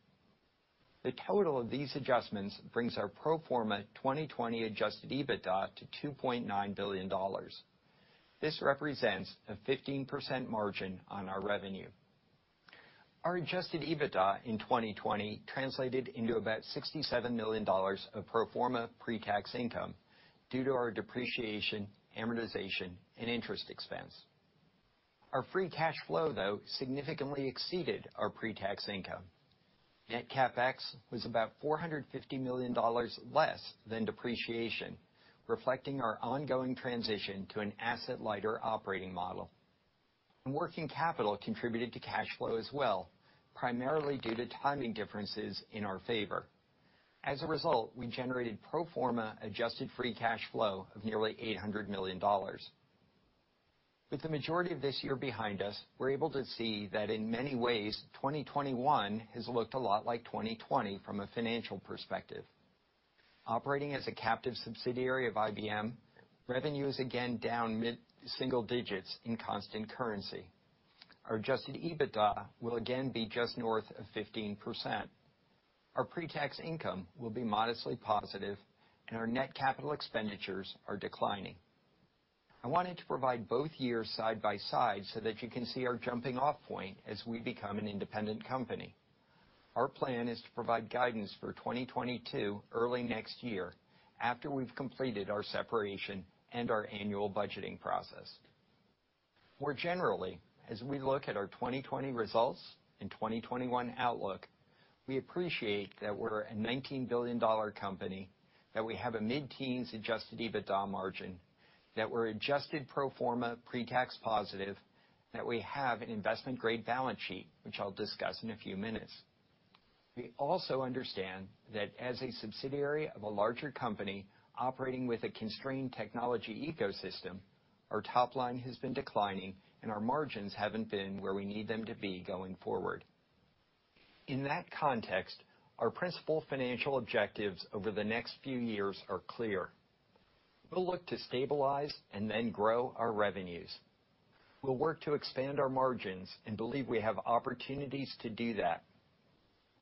The total of these adjustments brings our pro forma 2020 adjusted EBITDA to $2.9 billion. This represents a 15% margin on our revenue. Our adjusted EBITDA in 2020 translated into about $67 million of pro forma pre-tax income due to our depreciation, amortization, and interest expense. Our free cash flow, though, significantly exceeded our pre-tax income. Net CapEx was about $450 million less than depreciation, reflecting our ongoing transition to an asset-lighter operating model. Working capital contributed to cash flow as well, primarily due to timing differences in our favor. As a result, we generated pro forma adjusted free cash flow of nearly $800 million. With the majority of this year behind us, we're able to see that in many ways, 2021 has looked a lot like 2020 from a financial perspective. Operating as a captive subsidiary of IBM, revenue is again down mid-single digits in constant currency. Our adjusted EBITDA will again be just north of 15%. Our pre-tax income will be modestly positive, and our net capital expenditures are declining. I wanted to provide both years side by side so that you can see our jumping-off point as we become an independent company. Our plan is to provide guidance for 2022 early next year after we've completed our separation and our annual budgeting process. More generally, as we look at our 2020 results and 2021 outlook, we appreciate that we're a $19 billion company, that we have a mid-10s adjusted EBITDA margin, that we're adjusted pro forma pre-tax positive, and that we have an investment-grade balance sheet, which I'll discuss in a few minutes. We also understand that as a subsidiary of a larger company operating with a constrained technology ecosystem, our top line has been declining, and our margins haven't been where we need them to be going forward. In that context, our principal financial objectives over the next few years are clear. We'll look to stabilize and then grow our revenues. We'll work to expand our margins and believe we have opportunities to do that.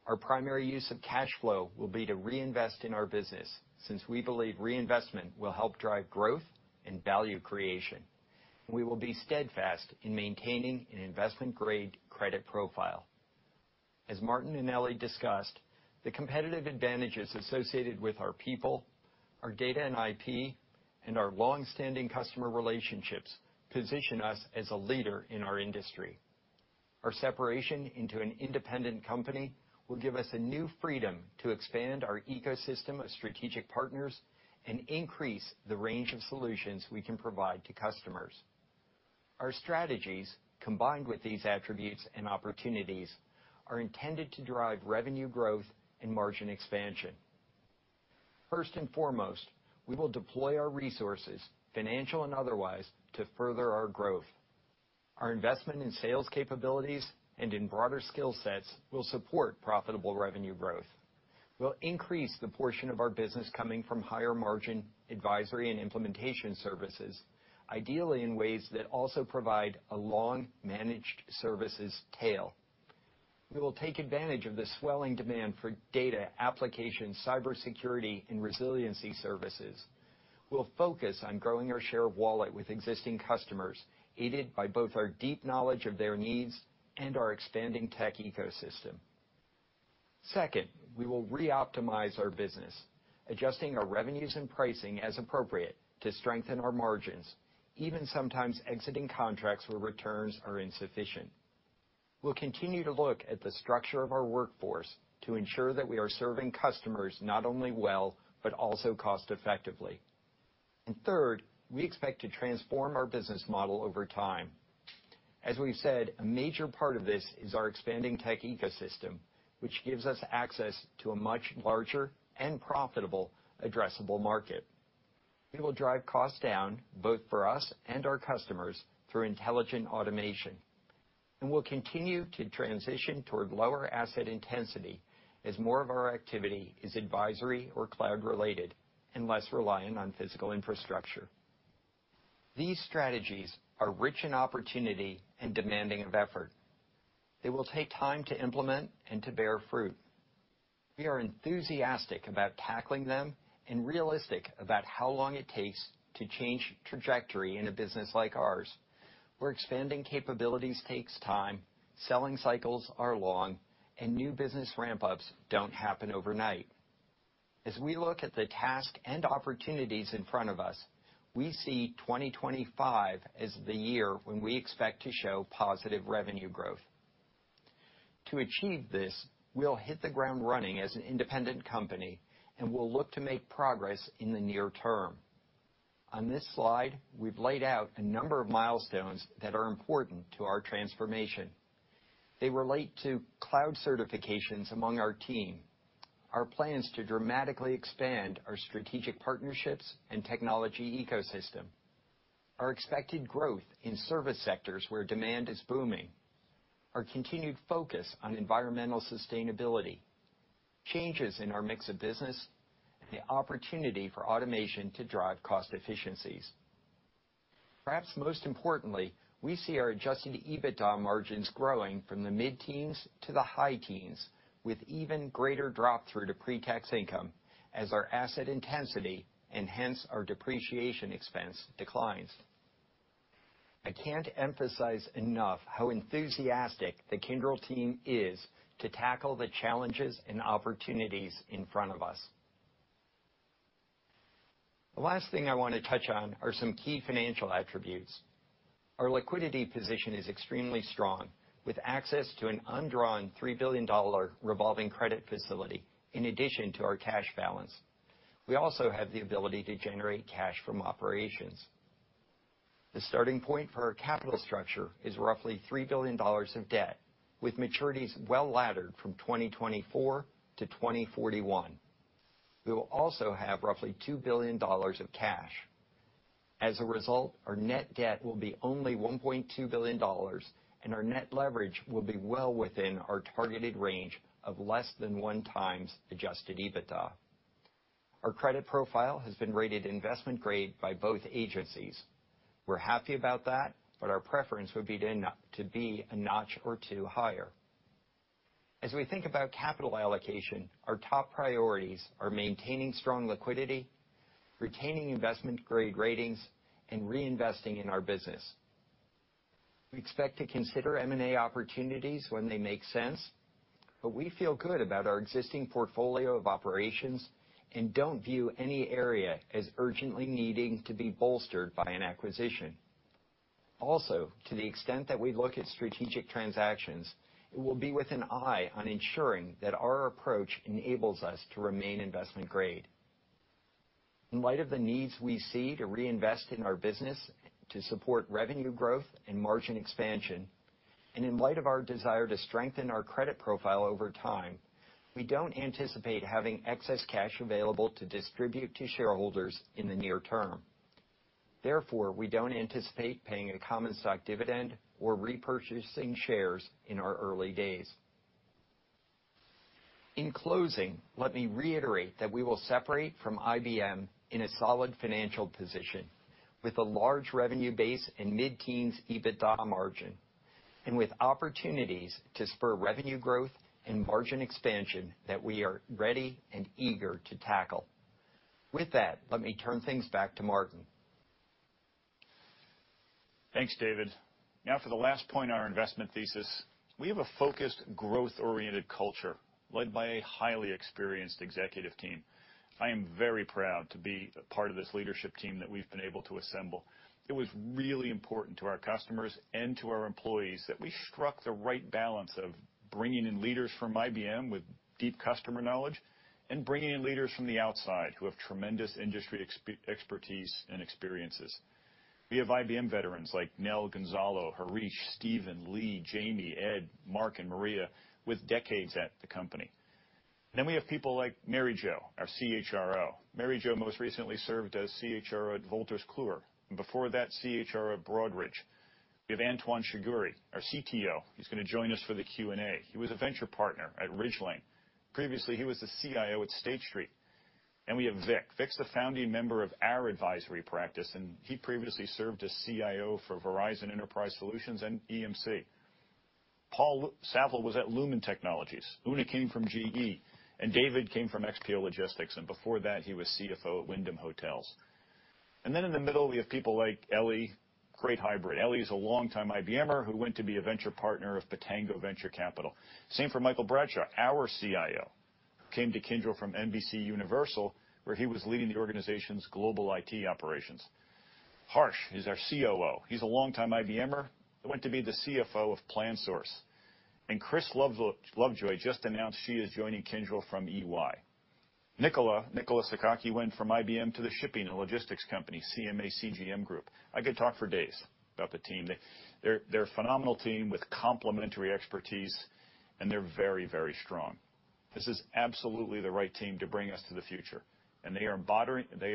Our primary use of cash flow will be to reinvest in our business, since we believe reinvestment will help drive growth and value creation. We will be steadfast in maintaining an investment-grade credit profile. As Martin and Elly discussed, the competitive advantages associated with our people, our data and IP, and our longstanding customer relationships position us as a leader in our industry. Our separation into an independent company will give us a new freedom to expand our ecosystem of strategic partners and increase the range of solutions we can provide to customers. Our strategies, combined with these attributes and opportunities, are intended to drive revenue growth and margin expansion. First and foremost, we will deploy our resources, financial and otherwise, to further our growth. Our investment in sales capabilities and in broader skill sets will support profitable revenue growth. We'll increase the portion of our business coming from higher margin advisory and implementation services, ideally in ways that also provide a long managed services tail. We will take advantage of the swelling demand for data application, cybersecurity, and resiliency services. We'll focus on growing our share of wallet with existing customers, aided by both our deep knowledge of their needs and our expanding tech ecosystem. Second, we will re-optimize our business, adjusting our revenues and pricing as appropriate to strengthen our margins, even sometimes exiting contracts where returns are insufficient. We'll continue to look at the structure of our workforce to ensure that we are serving customers not only well but also cost effectively. Third, we expect to transform our business model over time. As we've said, a major part of this is our expanding tech ecosystem, which gives us access to a much larger and profitable addressable market. It will drive costs down, both for us and our customers, through intelligent automation. We'll continue to transition toward lower asset intensity as more of our activity is advisory or cloud related and less reliant on physical infrastructure. These strategies are rich in opportunity and demanding of effort. They will take time to implement and to bear fruit. We are enthusiastic about tackling them and realistic about how long it takes to change trajectory in a business like ours, where expanding capabilities takes time, selling cycles are long, and new business ramp-ups don't happen overnight. As we look at the task and opportunities in front of us, we see 2025 as the year when we expect to show positive revenue growth. To achieve this, we'll hit the ground running as an independent company, and we'll look to make progress in the near term. On this slide, we've laid out a number of milestones that are important to our transformation. They relate to cloud certifications among our team, our plans to dramatically expand our strategic partnerships and technology ecosystem, our expected growth in service sectors where demand is booming, our continued focus on environmental sustainability, changes in our mix of business, and the opportunity for automation to drive cost efficiencies. Perhaps most importantly, we see our adjusted EBITDA margins growing from the mid-10s to the high 10s, with even greater drop through to pre-tax income as our asset intensity, and hence our depreciation expense, declines. I can't emphasize enough how enthusiastic the Kyndryl team is to tackle the challenges and opportunities in front of us. The last thing I want to touch on are some key financial attributes. Our liquidity position is extremely strong, with access to an undrawn $3 billion revolving credit facility in addition to our cash balance. We also have the ability to generate cash from operations. The starting point for our capital structure is roughly $3 billion of debt, with maturities well-laddered from 2024 to 2041. We will also have roughly $2 billion of cash. As a result, our net debt will be only $1.2 billion, and our net leverage will be well within our targeted range of less than 1x adjusted EBITDA. Our credit profile has been rated investment grade by both agencies. We're happy about that, but our preference would be to be a notch or two higher. As we think about capital allocation, our top priorities are maintaining strong liquidity, retaining investment grade ratings, and reinvesting in our business. We expect to consider M&A opportunities when they make sense, but we feel good about our existing portfolio of operations and don't view any area as urgently needing to be bolstered by an acquisition. To the extent that we look at strategic transactions, it will be with an eye on ensuring that our approach enables us to remain investment grade. In light of the needs, we see to reinvest in our business to support revenue growth and margin expansion, and in light of our desire to strengthen our credit profile over time, we don't anticipate having excess cash available to distribute to shareholders in the near term. Therefore, we don't anticipate paying a common stock dividend or repurchasing shares in our early days. In closing, let me reiterate that we will separate from IBM in a solid financial position with a large revenue base and mid-10s EBITDA margin, and with opportunities to spur revenue growth and margin expansion that we are ready and eager to tackle. With that, let me turn things back to Martin. Thanks, David. For the last point in our investment thesis, we have a focused, growth-oriented culture led by a highly experienced executive team. I am very proud to be a part of this leadership team that we've been able to assemble. It was really important to our customers and to our employees that we struck the right balance of bringing in leaders from IBM with deep customer knowledge and bringing in leaders from the outside who have tremendous industry expertise and experiences. We have IBM veterans like Nel, Gonzalo, Harish, Stephen, Lee, Jamie, Ed, Mark, and Maria, with decades at the company. We have people like Maryjo, our CHRO. Maryjo most recently served as CHRO at Wolters Kluwer, and before that, CHRO at Broadridge. We have Antoine Shagoury, our CTO, who's going to join us for the Q&A. He was a venture partner at Ridgeline. Previously, he was the CIO at State Street. We have Vic. Vic's the founding member of our advisory practice, and he previously served as CIO for Verizon Enterprise Solutions and EMC. Paul Savill was at Lumen Technologies. Una came from GE, and David came from XPO Logistics, and before that, he was CFO at Wyndham Hotels. In the middle, we have people like Elly, great hybrid. Elly is a longtime IBMer who went to be a venture partner of Pitango Venture Capital. Same for Michael Bradshaw, our CIO, who came to Kyndryl from NBCUniversal, where he was leading the organization's global IT operations. Harish is our COO. He's a longtime IBMer and went to be the CFO of PlanSource. Kris Lovejoy just announced she is joining Kyndryl from EY. Nicolas Sekkaki went from IBM to the shipping and logistics company, CMA CGM Group. I could talk for days about the team. They're a phenomenal team with complementary expertise, and they're very strong. This is absolutely the right team to bring us to the future, and they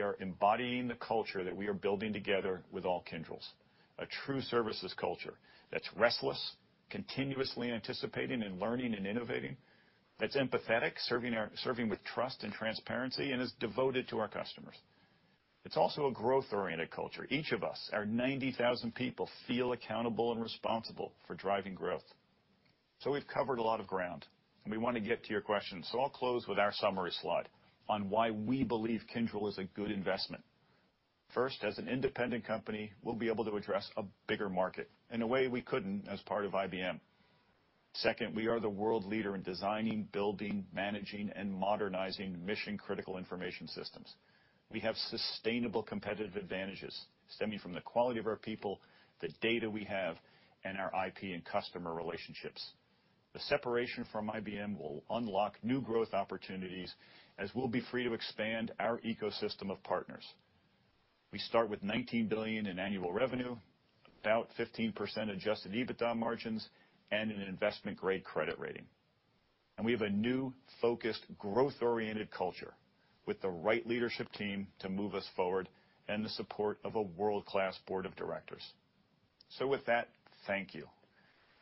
are embodying the culture that we are building together with all Kyndryls. A true services culture that's restless, continuously anticipating and learning and innovating, that's empathetic, serving with trust and transparency, and is devoted to our customers. It's also a growth-oriented culture. Each of us, our 90,000 people, feel accountable and responsible for driving growth. We've covered a lot of ground, and we want to get to your questions. I'll close with our summary slide on why we believe Kyndryl is a good investment. First, as an independent company, we'll be able to address a bigger market in a way we couldn't as part of IBM. Second, we are the world leader in designing, building, managing, and modernizing mission-critical information systems. We have sustainable competitive advantages stemming from the quality of our people, the data we have, and our IP and customer relationships. The separation from IBM will unlock new growth opportunities as we'll be free to expand our ecosystem of partners. We start with $19 billion in annual revenue, about 15% adjusted EBITDA margins, and an investment-grade credit rating. We have a new, focused, growth-oriented culture with the right leadership team to move us forward and the support of a world-class board of directors. With that, thank you.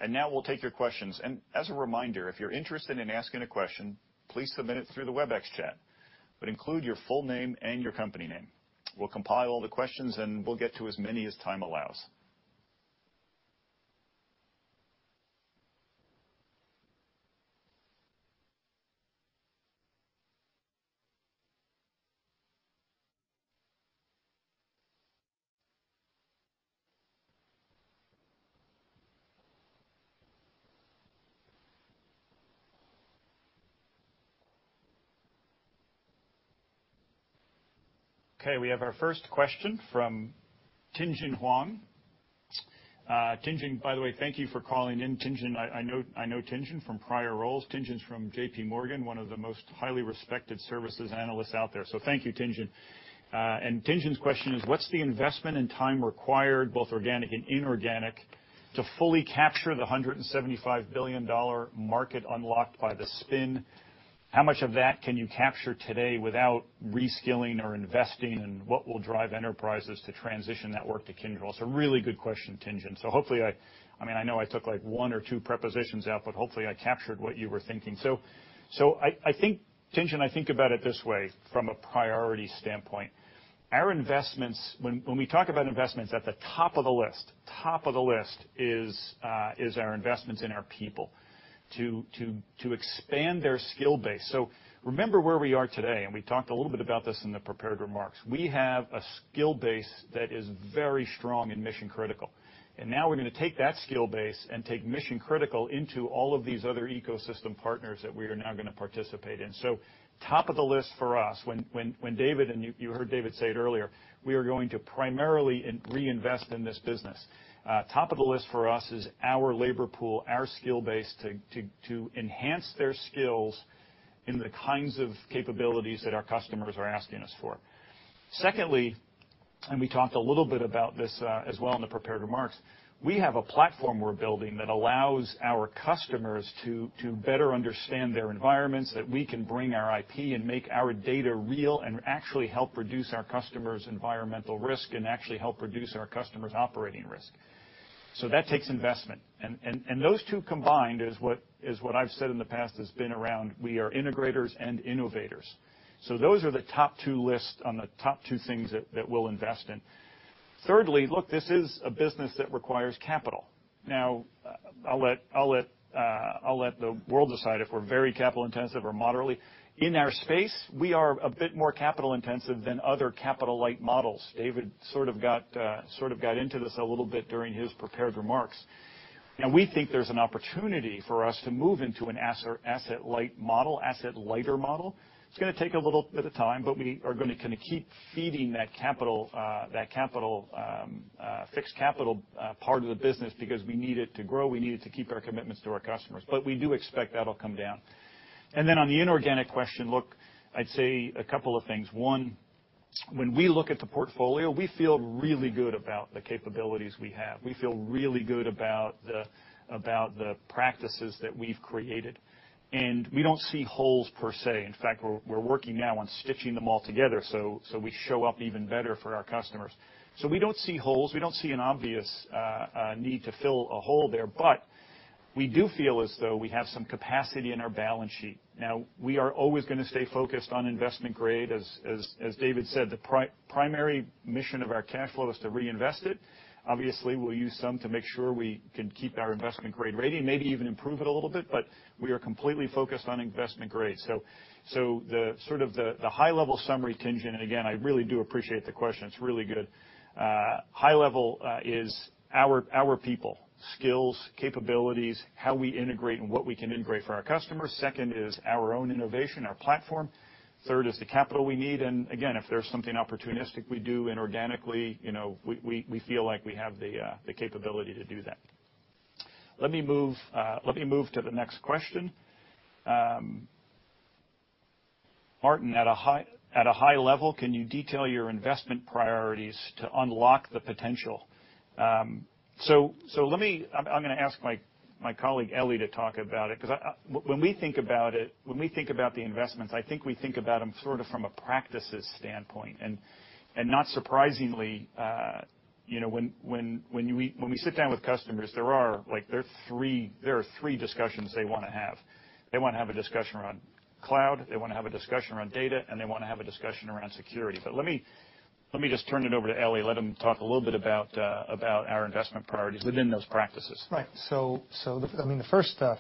Now we'll take your questions. As a reminder, if you're interested in asking a question, please submit it through the WebEx chat, but include your full name and your company name. We'll compile all the questions, and we'll get to as many as time allows. We have our first question from Tien-Tsin Huang. Tien-Tsin, by the way, thank you for calling in. Tien-Tsin, I know Tien-Tsin from prior roles. Tien-Tsin's from JPMorgan, one of the most highly respected services analysts out there. Thank you, Tien-Tsin. Tien-Tsin's question is, "What's the investment and time required, both organic and inorganic, to fully capture the $175 billion market unlocked by the spin? How much of that can you capture today without reskilling or investing, and what will drive enterprises to transition that work to Kyndryl?" Really good question, Tien-Tsin. Hopefully, I know I took one or two prepositions out, hopefully I captured what you were thinking. I think, Tien-Tsin, I think about it this way from a priority standpoint. Our investments, when we talk about investments, at the top of the list is our investments in our people to expand their skill base. Remember where we are today, and we talked a little bit about this in the prepared remarks. We have a skill base that is very strong in mission-critical. Now we're going to take that skill base and take mission-critical into all of these other ecosystem partners that we are now going to participate in. Top of the list for us, when David, and you heard David say it earlier, we are going to primarily reinvest in this business. Top of the list for us is our labor pool, our skill base to enhance their skills in the kinds of capabilities that our customers are asking us for. Secondly, we talked a little bit about this as well in the prepared remarks, we have a platform we're building that allows our customers to better understand their environments, that we can bring our IP and make our data real and actually help reduce our customers' environmental risk and actually help reduce our customers' operating risk. That takes investment. Those two combined is what I've said in the past has been around, we are integrators and innovators. Those are the top two lists on the top two things that we'll invest in. Thirdly, look, this is a business that requires capital. I'll let the world decide if we're very capital-intensive or moderately. In our space, we are a bit more capital-intensive than other capital-light models. David sort of got into this a little bit during his prepared remarks. We think there's an opportunity for us to move into an asset lighter model. It's going to take a little bit of time, but we are going to keep feeding that fixed capital part of the business because we need it to grow. We need it to keep our commitments to our customers. We do expect that'll come down. On the inorganic question, look, I'd say a couple of things. One, when we look at the portfolio, we feel really good about the capabilities we have. We feel really good about the practices that we've created, and we don't see holes per se. In fact, we're working now on stitching them all together, so we show up even better for our customers. We don't see holes. We don't see an obvious need to fill a hole there. We do feel as though we have some capacity in our balance sheet. We are always going to stay focused on investment grade. As David said, the primary mission of our cash flow is to reinvest it. We'll use some to make sure we can keep our investment grade rating, maybe even improve it a little bit, but we are completely focused on investment grade. The high-level summary, Tien-Tsin, and again, I really do appreciate the question. It's really good. High level is our people, skills, capabilities, how we integrate and what we can integrate for our customers. Second is our own innovation, our platform. Third is the capital we need. Again, if there's something opportunistic we do inorganically, we feel like we have the capability to do that. Let me move to the next question. Martin, at a high level, can you detail your investment priorities to unlock the potential? I'm going to ask my colleague, Elly, to talk about it, because when we think about the investments, I think we think about them sort of from a practices standpoint, and not surprisingly when we sit down with customers, there are three discussions they want to have. They want to have a discussion around cloud, they want to have a discussion around data, and they want to have a discussion around security. Let me just turn it over to Elly, let him talk a little bit about our investment priorities within those practices. The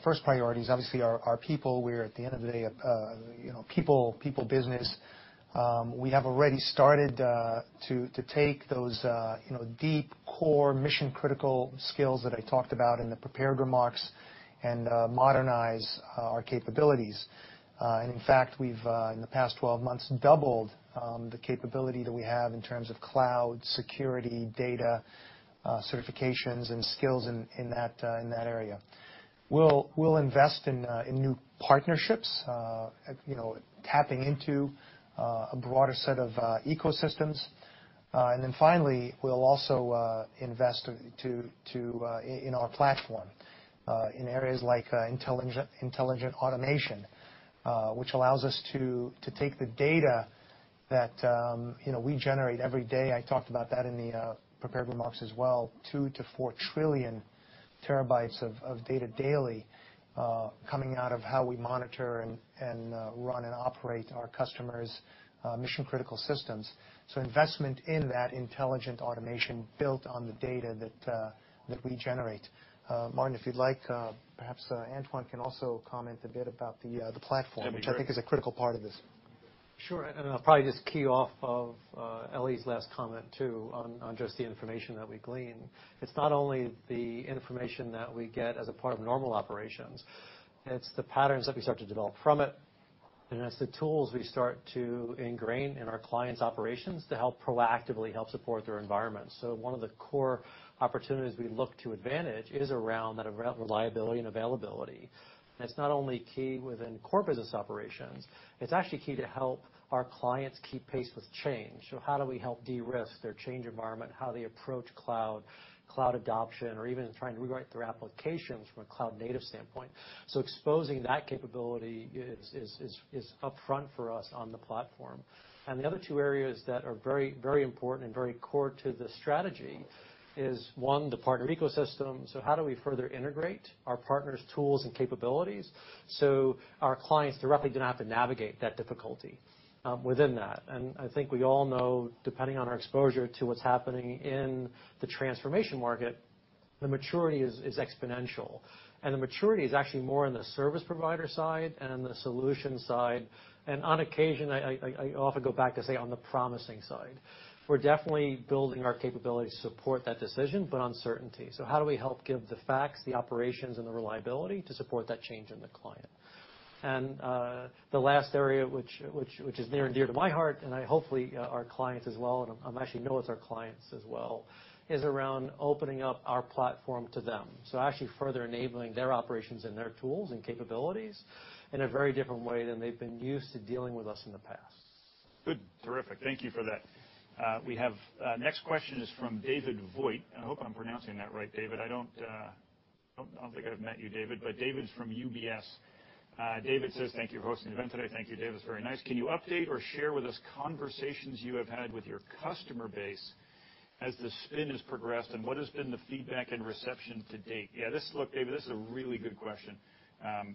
first priority is obviously our people. We're, at the end of the day, a people business. We have already started to take those deep core mission-critical skills that I talked about in the prepared remarks and modernize our capabilities. In fact, we've, in the past 12 months, doubled the capability that we have in terms of cloud security, data, certifications, and skills in that area. We'll invest in new partnerships, tapping into a broader set of ecosystems. Finally, we'll also invest in our platform, in areas like intelligent automation, which allows us to take the data that we generate every day. I talked about that in the prepared remarks as well, 2 trillion TB-4 trillion TB of data daily, coming out of how we monitor and run and operate our customers' mission-critical systems. Investment in that intelligent automation built on the data that we generate. Martin, if you'd like, perhaps Antoine can also comment a bit about the platform. That'd be great. Which I think is a critical part of this. Sure. I'll probably just key off of Elly's last comment, too, on just the information that we glean. It's not only the information that we get as a part of normal operations, it's the patterns that we start to develop from it, and it's the tools we start to ingrain in our clients' operations to help proactively help support their environment. One of the core opportunities we look to advantage is around that reliability and availability. It's not only key within core business operations, it's actually key to help our clients keep pace with change. How do we help de-risk their change environment, how they approach cloud adoption, or even trying to rewrite their applications from a cloud-native standpoint. Exposing that capability is upfront for us on the platform. The other two areas that are very important and very core to the strategy is one, the partner ecosystem. How do we further integrate our partners' tools and capabilities, so our clients directly don't have to navigate that difficulty within that? I think we all know, depending on our exposure to what's happening in the transformation market, the maturity is exponential. The maturity is actually more on the service provider side and on the solution side. On occasion, I often go back to say on the promising side. We're definitely building our capability to support that decision, but uncertainty. How do we help give the facts, the operations, and the reliability to support that change in the client? The last area, which is near and dear to my heart, and hopefully our clients as well, and I actually know it's our clients as well, is around opening up our platform to them. Actually further enabling their operations and their tools and capabilities in a very different way than they've been used to dealing with us in the past. Good. Terrific. Thank you for that. We have next question is from David Vogt. I hope I'm pronouncing that right, David. I don't think I've met you, David, but David's from UBS. David says, "Thank you for hosting the event today." Thank you, David. It's very nice. "Can you update or share with us conversations you have had with your customer base as the spin has progressed, and what has been the feedback and reception to date?" Yeah, look, David, this is a really good question.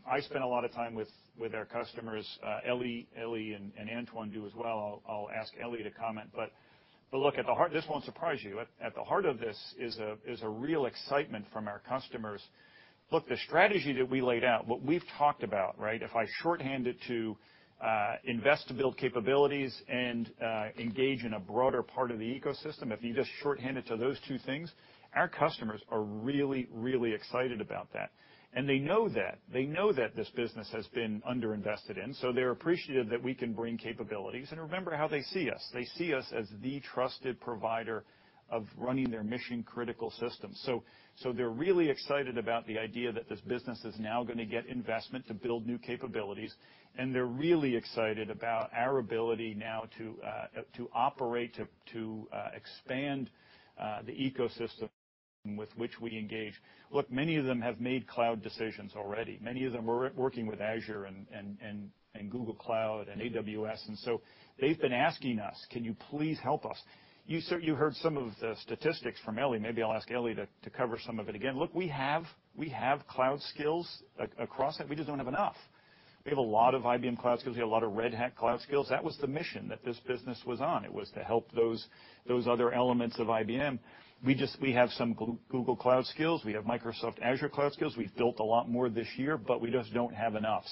I spend a lot of time with our customers. Elly and Antoine do as well. I'll ask Elly to comment. But look, this won't surprise you. At the heart of this is a real excitement from our customers. Look, the strategy that we laid out, what we've talked about, if I shorthand it to invest to build capabilities and engage in a broader part of the ecosystem, if you just shorthand it to those two things, our customers are really, really excited about that. They know that this business has been under-invested in, so they're appreciative that we can bring capabilities. Remember how they see us. They see us as the trusted provider of running their mission-critical systems. They're really excited about the idea that this business is now going to get investment to build new capabilities, and they're really excited about our ability now to operate, to expand the ecosystem with which we engage. Look, many of them have made cloud decisions already. Many of them were working with Azure and Google Cloud and AWS. They've been asking us, "Can you please help us?" You heard some of the statistics from Elly. Maybe I'll ask Elly to cover some of it again. Look, we have cloud skills across, we just don't have enough. We have a lot of IBM cloud skills. We have a lot of Red Hat cloud skills. That was the mission that this business was on. It was to help those other elements of IBM. We have some Google Cloud skills. We have Microsoft Azure cloud skills. We've built a lot more this year, but we just don't have enough.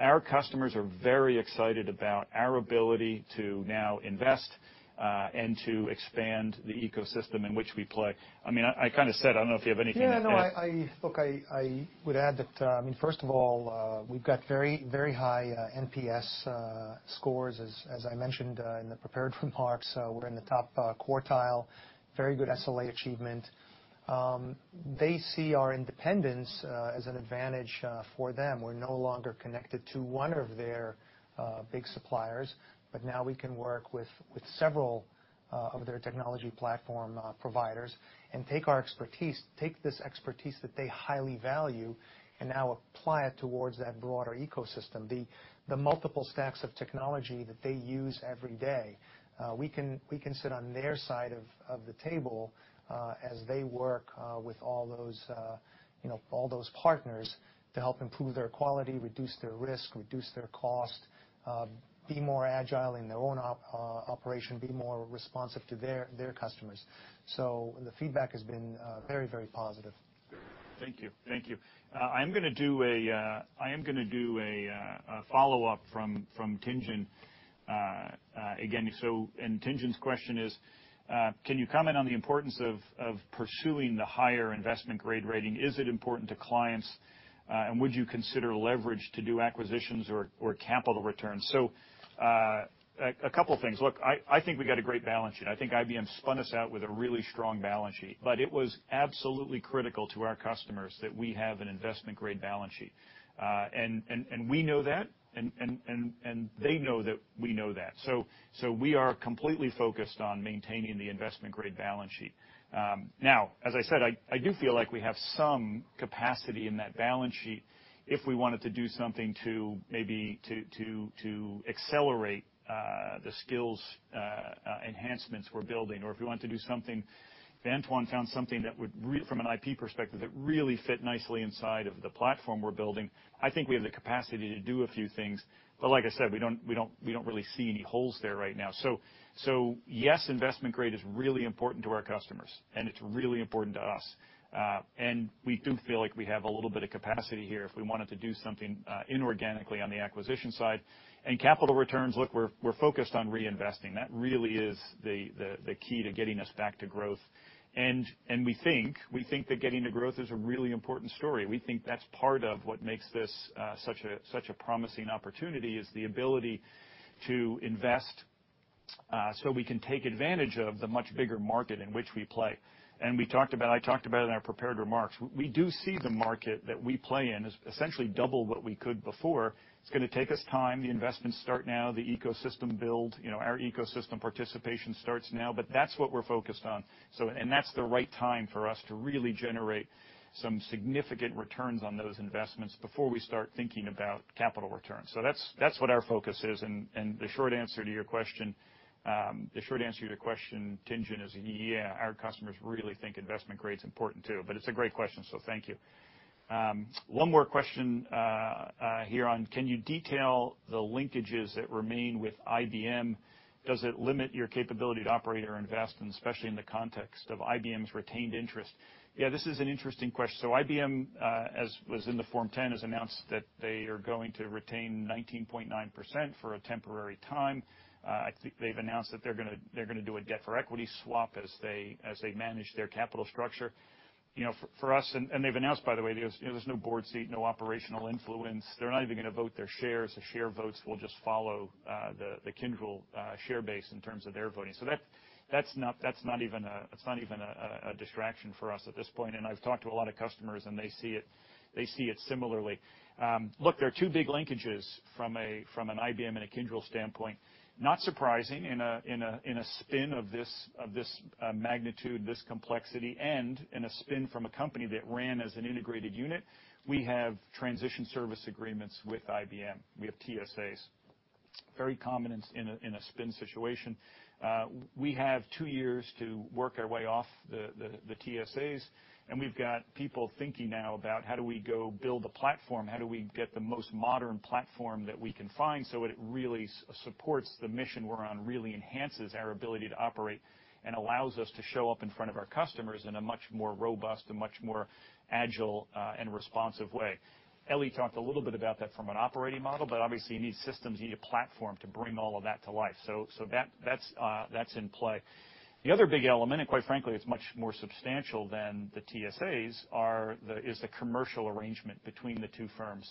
Our customers are very excited about our ability to now invest, and to expand the ecosystem in which we play. I kind of said, I don't know if you have anything to add. Look, I would add that, first of all, we've got very high NPS scores, as I mentioned in the prepared remarks. We're in the top quartile. Very good SLA achievement. They see our independence as an advantage for them. Where no longer connected to one of their big suppliers but now we can work with several of their technology platform providers and take this expertise that they highly value and now apply it towards that broader ecosystem, the multiple stacks of technology that they use every day. We can sit on their side of the table, as they work with all those partners to help improve their quality, reduce their risk, reduce their cost, be more agile in their own operation, be more responsive to their customers. The feedback has been very positive. Thank you. I am going to do a follow-up from Tien-Tsin. Tien-Tsin's question is, can you comment on the importance of pursuing the higher investment-grade rating? Is it important to clients? Would you consider leverage to do acquisitions or capital returns? A couple things. Look, I think we've got a great balance sheet. I think IBM spun us out with a really strong balance sheet, but it was absolutely critical to our customers that we have an investment-grade balance sheet. We know that, and they know that we know that. We are completely focused on maintaining the investment-grade balance sheet. As I said, I do feel like we have some capacity in that balance sheet if we wanted to do something to maybe accelerate the skills enhancements we're building, or if we wanted to do something if Antoine found something that would, from an IP perspective, that really fit nicely inside of the platform we're building. I think we have the capacity to do a few things. Like I said, we don't really see any holes there right now. Yes, investment grade is really important to our customers, and it's really important to us. We do feel like we have a little bit of capacity here if we wanted to do something inorganically on the acquisition side. Capital returns, look, we're focused on reinvesting. That really is the key to getting us back to growth. We think that getting to growth is a really important story. We think that's part of what makes this such a promising opportunity is the ability to invest so we can take advantage of the much bigger market in which we play. I talked about it in our prepared remarks. We do see the market that we play in as essentially double what we could before. It's going to take us time. The investments start now, the ecosystem build. Our ecosystem participation starts now, but that's what we're focused on. That's the right time for us to really generate some significant returns on those investments before we start thinking about capital returns. That's what our focus is. The short answer to your question, Tien-Tsin, is yeah, our customers really think investment grade is important, too. It's a great question. Thank you. One more question here on, can you detail the linkages that remain with IBM? Does it limit your capability to operate or invest, and especially in the context of IBM's retained interest? Yeah, this is an interesting question. IBM, as was in the Form 10, has announced that they are going to retain 19.9% for a temporary time. I think they've announced that they're going to do a debt for equity swap as they manage their capital structure. For us, they've announced, by the way, there's no board seat, no operational influence. They're not even going to vote their shares. The share votes will just follow the Kyndryl share base in terms of their voting. That's not even a distraction for us at this point. I've talked to a lot of customers, and they see it similarly. There are two big linkages from an IBM and a Kyndryl standpoint. Not surprising in a spin of this magnitude, this complexity, and in a spin from a company that ran as an integrated unit, we have transition service agreements with IBM. We have TSAs. Very common in a spin situation. We have two years to work our way off the TSAs, and we've got people thinking now about how do we go build a platform. How do we get the most modern platform that we can find so it really supports the mission we're on, really enhances our ability to operate, and allows us to show up in front of our customers in a much more robust and much more agile and responsive way? Elly talked a little bit about that from an operating model. Obviously, you need systems, you need a platform to bring all of that to life. That's in play. The other big element, quite frankly, it's much more substantial than the TSAs, is the commercial arrangement between the two firms.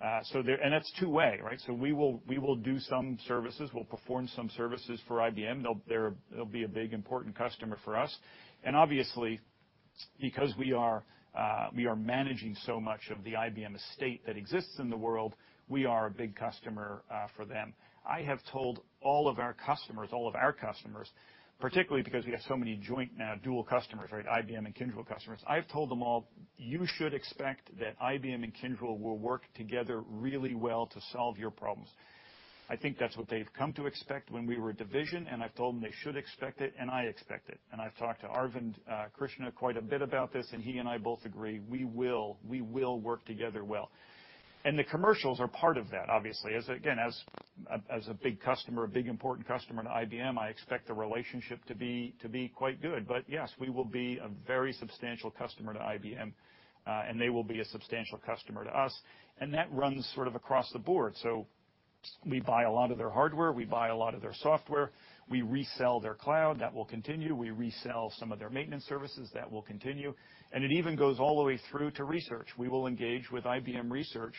That's two-way, right? We will do some services. We'll perform some services for IBM. They'll be a big, important customer for us. Obviously, because we are managing so much of the IBM estate that exists in the world, we are a big customer for them. I have told all of our customers, particularly because we have so many joint now dual customers, IBM and Kyndryl customers, I've told them all, "You should expect that IBM and Kyndryl will work together really well to solve your problems." I think that's what they've come to expect when we were a division, and I've told them they should expect it, and I expect it. I've talked to Arvind Krishna quite a bit about this, and he and I both agree, we will work together well. The commercials are part of that, obviously. Again, as a big important customer to IBM, I expect the relationship to be quite good. Yes, we will be a very substantial customer to IBM, and they will be a substantial customer to us, and that runs sort of across the board. We buy a lot of their hardware, we buy a lot of their software, we resell their Cloud, that will continue. We resell some of their maintenance services, that will continue, and it even goes all the way through to research. We will engage with IBM Research,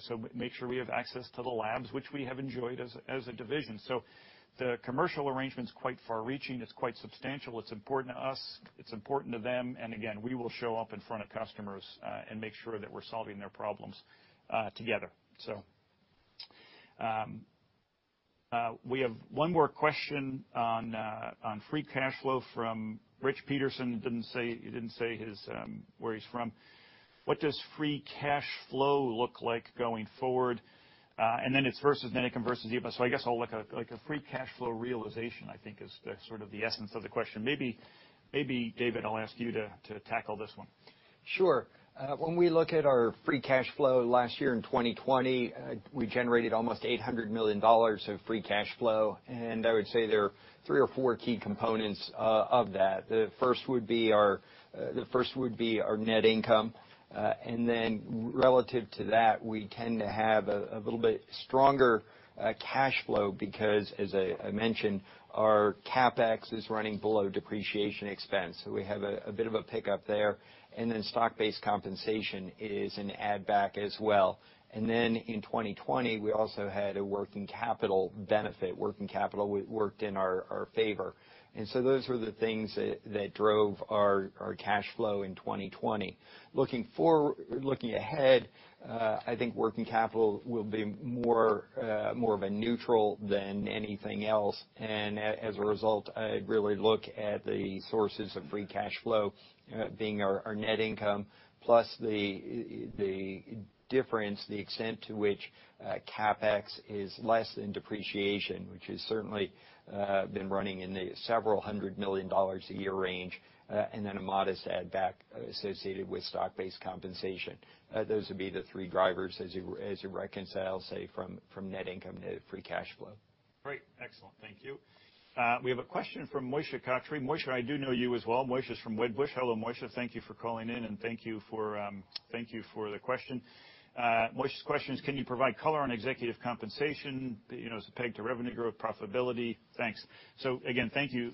so make sure we have access to the labs, which we have enjoyed as a division. The commercial arrangement's quite far-reaching. It's quite substantial. It's important to us, it's important to them, and again, we will show up in front of customers, and make sure that we're solving their problems together. We have one more question on free cash flow from Rich Peterson. He didn't say where he's from. What does free cash flow look like going forward? Then it converts to [EBITDA]. I guess I'll look at a free cash flow realization, I think is the sort of the essence of the question. Maybe, David, I'll ask you to tackle this one. Sure. When we look at our free cash flow last year in 2020, we generated almost $800 million of free cash flow. I would say there are three or four key components of that. The first would be our net income. Relative to that, we tend to have a little bit stronger cash flow because, as I mentioned, our CapEx is running below depreciation expense. We have a bit of a pickup there. Stock-based compensation is an add back as well. In 2020, we also had a working capital benefit. Working capital worked in our favor. Those are the things that drove our cash flow in 2020. Looking ahead, I think working capital will be more of a neutral than anything else. As a result, I'd really look at the sources of free cash flow being our net income, plus the difference, the extent to which CapEx is less than depreciation, which has certainly been running in the several hundred million dollars a year range. Then a modest add back associated with stock-based compensation. Those would be the three drivers as you reconcile, say, from net income to free cash flow. Great. Excellent. Thank you. We have a question from Moshe Katri. Moshe, I do know you as well. Moshe's from Wedbush. Hello, Moshe. Thank you for calling in, and thank you for the question. Moshe's question is, "Can you provide color on executive compensation, as a peg to revenue growth, profitability? Thanks." Again, thank you.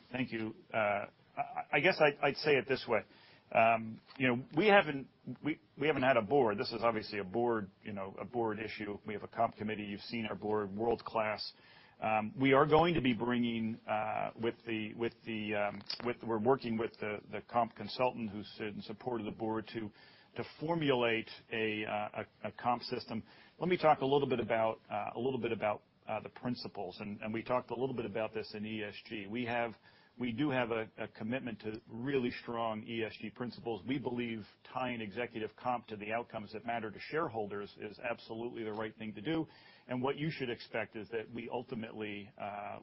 I guess I'd say it this way. We haven't had a board. This is obviously a board issue. We have a comp committee. You've seen our board, world-class. We're working with the comp consultant who's in support of the board to formulate a comp system. Let me talk a little bit about the principles, and we talked a little bit about this in ESG. We do have a commitment to really strong ESG principles. We believe tying executive comp to the outcomes that matter to shareholders is absolutely the right thing to do, and what you should expect is that we ultimately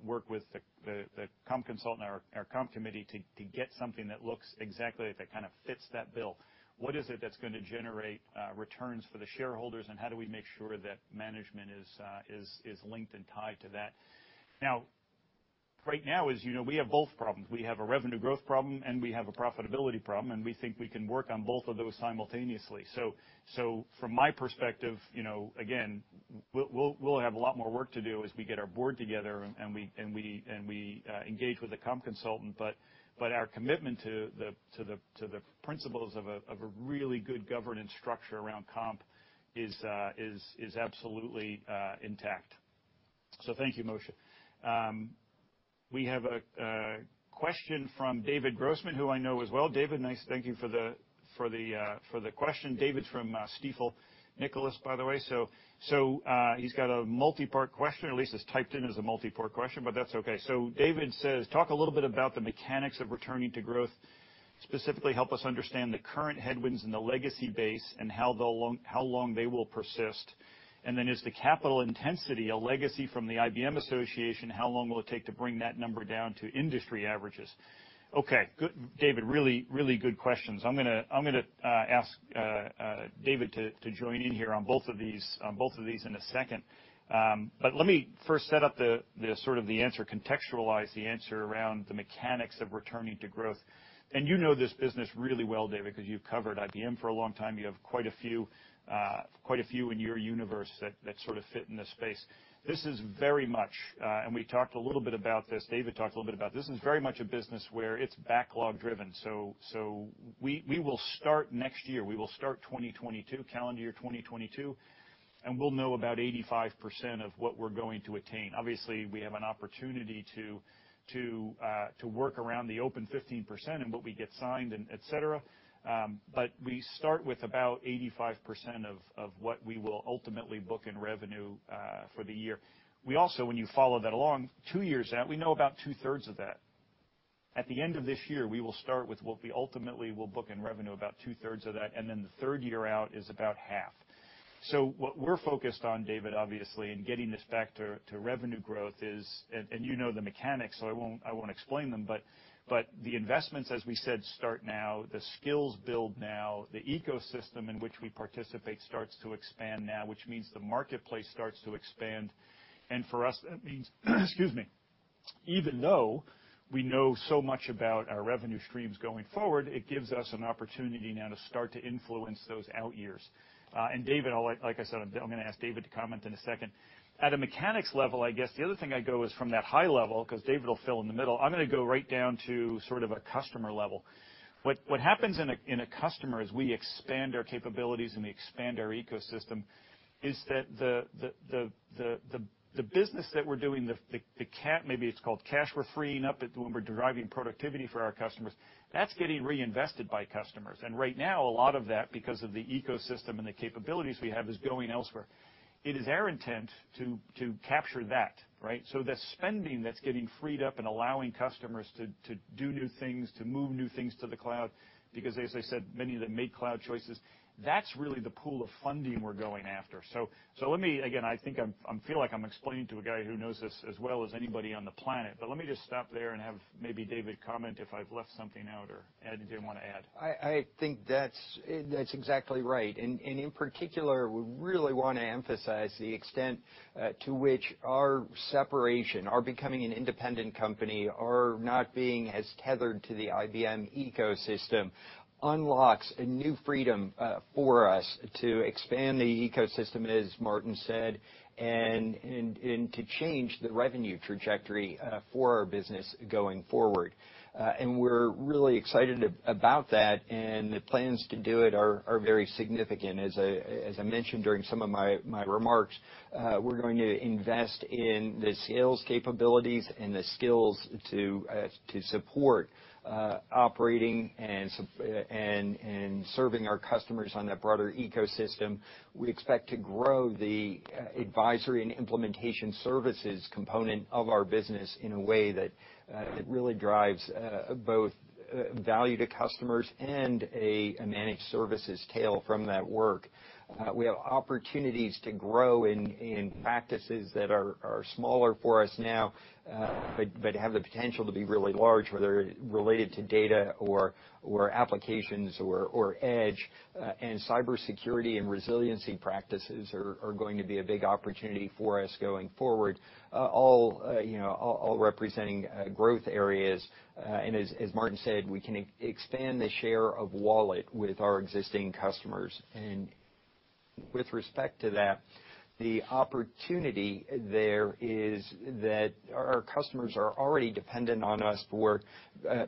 work with the comp consultant and our comp committee to get something that looks exactly like that kind of fits that bill. What is it that's going to generate returns for the shareholders, and how do we make sure that management is linked and tied to that? Right now, as you know, we have both problems. We have a revenue growth problem, and we have a profitability problem, and we think we can work on both of those simultaneously. From my perspective, again, we'll have a lot more work to do as we get our board together and we engage with a comp consultant. Our commitment to the principles of a really good governance structure around comp is absolutely intact. Thank you, Moshe. We have a question from David Grossman, who I know as well. David, nice. Thank you for the question. David's from Stifel Nicolaus, by the way. He's got a multi-part question, or at least it's typed in as a multi-part question, but that's okay. David says, "Talk a little bit about the mechanics of returning to growth." Specifically help us understand the current headwinds in the legacy base and how long they will persist. Is the capital intensity a legacy from the IBM association? How long will it take to bring that number down to industry averages? Okay. Good. David, really good questions. I'm going to ask David to join in here on both of these in a second. Let me first set up the answer, contextualize the answer around the mechanics of returning to growth. You know this business really well, David, because you've covered IBM for a long time. You have quite a few in your universe that sort of fit in this space. This, and we talked a little bit about this, David talked a little bit about this, is very much a business where it's backlog driven. We will start next year. We will start 2022, calendar year 2022, and we'll know about 85% of what we're going to attain. Obviously, we have an opportunity to work around the open 15% and what we get signed and et cetera. We start with about 85% of what we will ultimately book in revenue for the year. We also, when you follow that along two years out, we know about 2/3 of that. At the end of this year, we will start with what we ultimately will book in revenue, about 2/3 of that, and then the third year out is about 1/2. What we're focused on, David, obviously, in getting this back to revenue growth is, and you know the mechanics, so I won't explain them, but the investments, as we said, start now, the skills build now, the ecosystem in which we participate starts to expand now, which means the marketplace starts to expand. For us, that means, excuse me, even though we know so much about our revenue streams going forward, it gives us an opportunity now to start to influence those out years. David, like I said, I'm going to ask David to comment in a second. At a mechanics level, I guess the other thing I go is from that high level, because David will fill in the middle, I'm going to go right down to sort of a customer level. What happens in a customer as we expand our capabilities and expand our ecosystem is that the business that we're doing, maybe it's called cash, we're freeing up when we're deriving productivity for our customers, that's getting reinvested by customers. Right now, a lot of that, because of the ecosystem and the capabilities we have, is going elsewhere. It is our intent to capture that, right? The spending that's getting freed up and allowing customers to do new things, to move new things to the cloud, because, as I said, many of them make cloud choices. That's really the pool of funding we're going after. Let me, again, I feel like I'm explaining to a guy who knows this as well as anybody on the planet, but let me just stop there and have maybe David comment if I've left something out or [Ed] did want to add. I think that's exactly right. In particular, we really want to emphasize the extent to which our separation, our becoming an independent company, our not being as tethered to the IBM ecosystem, unlocks a new freedom for us to expand the ecosystem, as Martin said, and to change the revenue trajectory for our business going forward. We're really excited about that. The plans to do it are very significant. As I mentioned during some of my remarks, we're going to invest in the sales capabilities and the skills to support operating and serving our customers on that broader ecosystem. We expect to grow the advisory and implementation services component of our business in a way that really drives both value to customers and a managed services tail from that work. We have opportunities to grow in practices that are smaller for us now, but have the potential to be really large, whether related to data or applications or Edge. Cybersecurity and resiliency practices are going to be a big opportunity for us going forward, all representing growth areas. As Martin said, we can expand the share of wallet with our existing customers. With respect to that, the opportunity there is that our customers are already dependent on us for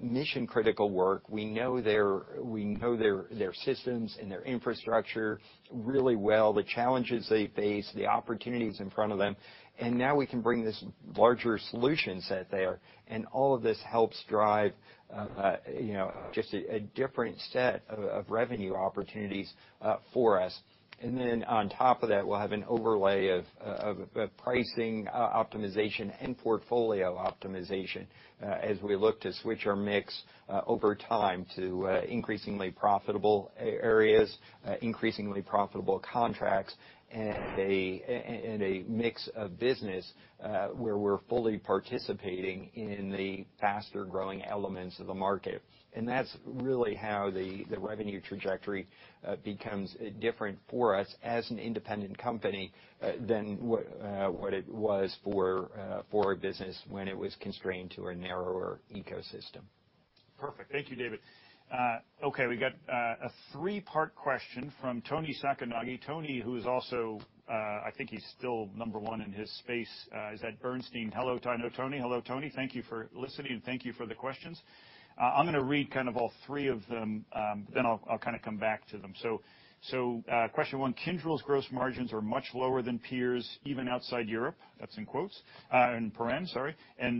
mission-critical work. We know their systems and their infrastructure really well, the challenges they face, the opportunities in front of them. Now we can bring this larger solution set there. All of this helps drive just a different set of revenue opportunities for us. On top of that, we'll have an overlay of pricing optimization and portfolio optimization as we look to switch our mix over time to increasingly profitable areas, increasingly profitable contracts, and a mix of business where we're fully participating in the faster-growing elements of the market. That's really how the revenue trajectory becomes different for us as an independent company than what it was for our business when it was constrained to a narrower ecosystem. Perfect. Thank you, David. We got a three-part question from Toni Sacconaghi. Toni, who is also, I think he's still number one in his space, is at AllianceBernstein. Hello, Toni. Thank you for listening, and thank you for the questions. I'm going to read all three of them, then I'll come back to them. Question one. Kyndryl's gross margins are much lower than peers, even outside Europe. That's in quotes, in [paren], sorry.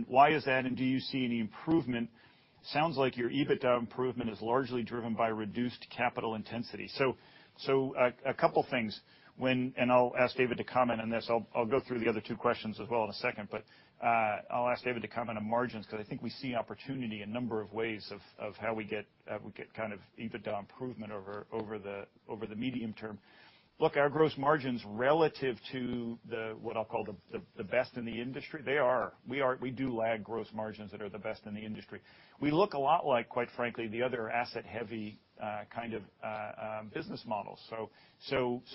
Why is that, and do you see any improvement? Sounds like your EBITDA improvement is largely driven by reduced capital intensity. A couple things. I'll ask David to comment on this. I'll go through the other two questions as well in a second, but I'll ask David to comment on margins because I think we see opportunity a number of ways of how we get kind of EBITDA improvement over the medium term. Look, our gross margins relative to the, what I'll call the best in the industry, we do lag gross margins that are the best in the industry. We look a lot like, quite frankly, the other asset-heavy kind of business models.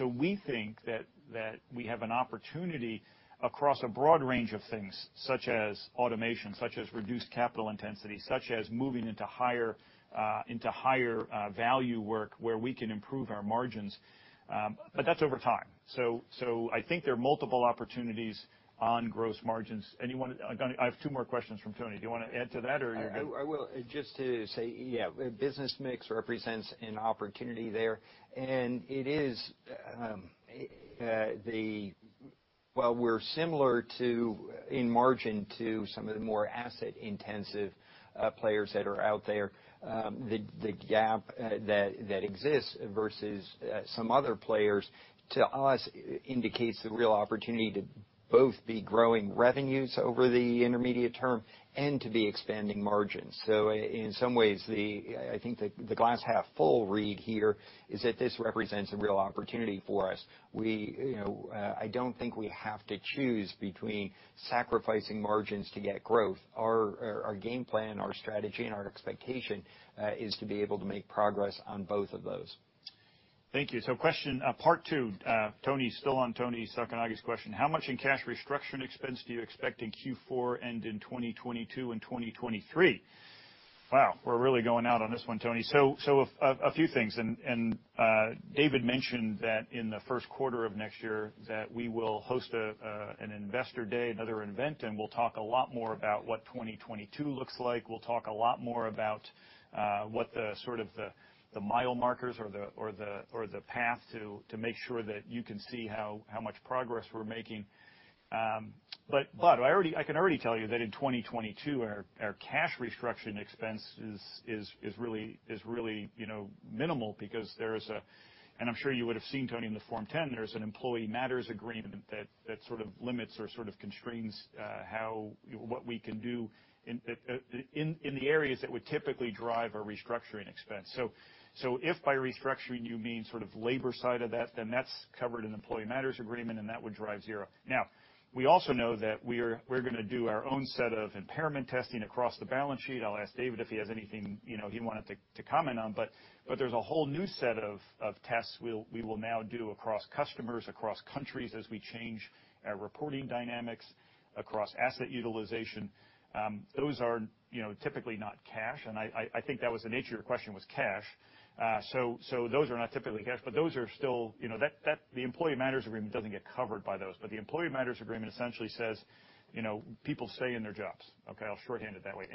We think that we have an opportunity across a broad range of things, such as automation, such as reduced capital intensity, such as moving into higher value work where we can improve our margins. That's over time. I think there are multiple opportunities on gross margins. I have two more questions from Toni. Do you want to add to that or- I will. Just to say, yeah, business mix represents an opportunity there, and while we're similar in margin to some of the more asset-intensive players that are out there, the gap that exists versus some other players, to us, indicates the real opportunity to both be growing revenues over the intermediate term and to be expanding margins. In some ways, I think the glass-half-full read here is that this represents a real opportunity for us. I don't think we have to choose between sacrificing margins to get growth. Our game plan, our strategy, and our expectation is to be able to make progress on both of those. Thank you. Question part two. Still on Toni Sacconaghi's question. How much in cash restructuring expense do you expect in Q4 and in 2022 and 2023? Wow. We're really going out on this one, Toni. A few things, and David mentioned that in the first quarter of next year that we will host an Investor Day, another event, and we'll talk a lot more about what 2022 looks like. We'll talk a lot more about what the mile markers or the path to make sure that you can see how much progress we're making. I can already tell you that in 2022, our cash restructuring expense is really minimal because there is a I'm sure you would've seen, Toni, in the Form 10, there's an Employee Matters Agreement that sort of limits or sort of constrains what we can do in the areas that would typically drive a restructuring expense. If by restructuring you mean sort of labor side of that, then that's covered in Employee Matters Agreement, and that would drive zero. We also know that we're going to do our own set of impairment testing across the balance sheet. I'll ask David if he has anything he wanted to comment on, but there's a whole new set of tests we will now do across customers, across countries as we change our reporting dynamics across asset utilization. Those are typically not cash, and I think that was the nature of your question was cash. Those are not typically cash, but the Employee Matters Agreement doesn't get covered by those, but the Employee Matters Agreement essentially says people stay in their jobs. Okay, I'll shorthand it that way.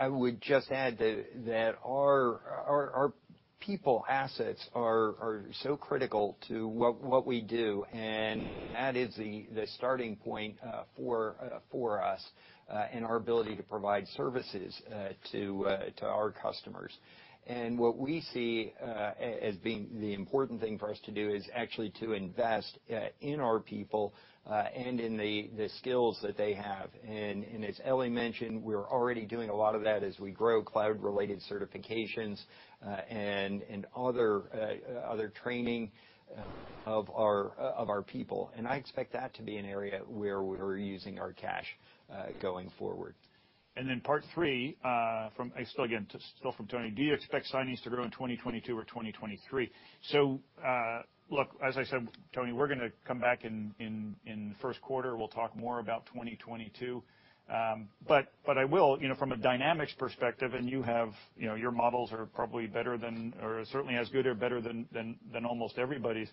I would just add that our people assets are so critical to what we do, and that is the starting point for us in our ability to provide services to our customers. What we see as being the important thing for us to do is actually to invest in our people and in the skills that they have. As Elly mentioned, we're already doing a lot of that as we grow cloud-related certifications and other training of our people. I expect that to be an area where we're using our cash going forward. Part three, again, still from Toni. Do you expect signings to grow in 2022 or 2023? Look, as I said, Toni, we're going to come back in the first quarter. We'll talk more about 2022. I will, from a dynamics perspective, and your models are probably better than, or certainly as good or better than almost everybody's.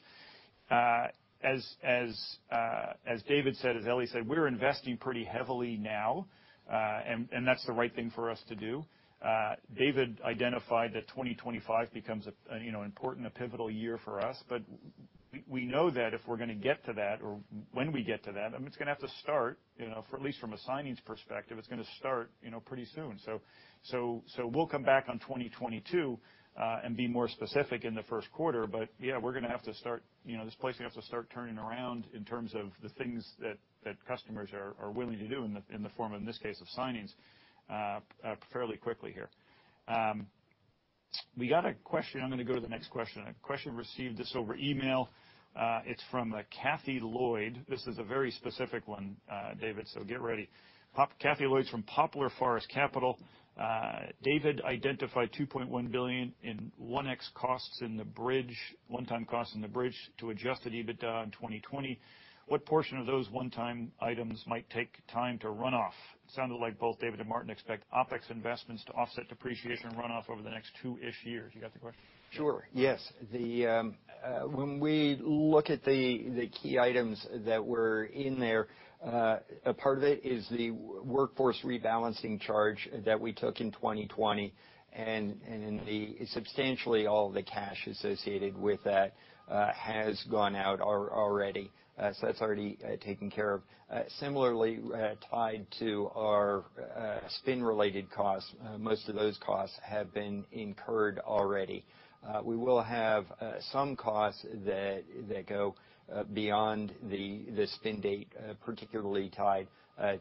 As David said, as Elly said, we're investing pretty heavily now, and that's the right thing for us to do. David identified that 2025 becomes an important, a pivotal year for us. We know that if we're going to get to that or when we get to that, it's going to have to start, at least from a signings perspective, it's going to start pretty soon. We'll come back on 2022 and be more specific in the first quarter. Yeah, this place, we have to start turning around in terms of the things that customers are willing to do in the form, in this case, of signings fairly quickly here. We got a question. I'm going to go to the next question. A question received just over email. It's from a Lori Chaitman. This is a very specific one, David, so get ready Kathy Lloyd from Poplar Forest Capital. "David identified $2.1 billion in 1x cost in the bridge to adjusted EBITDA in 2020. What portion of those 1x items might take time to run off?" Sounded like both David and Martin expect OpEx investments to offset depreciation runoff over the next two-ish years. You got the question? Sure. Yes. When we look at the key items that were in there, a part of it is the workforce rebalancing charge that we took in 2020. Substantially all the cash associated with that has gone out already. That's already taken care of. Similarly, tied to our spin-related costs, most of those costs have been incurred already. We will have some costs that go beyond the spin date, particularly tied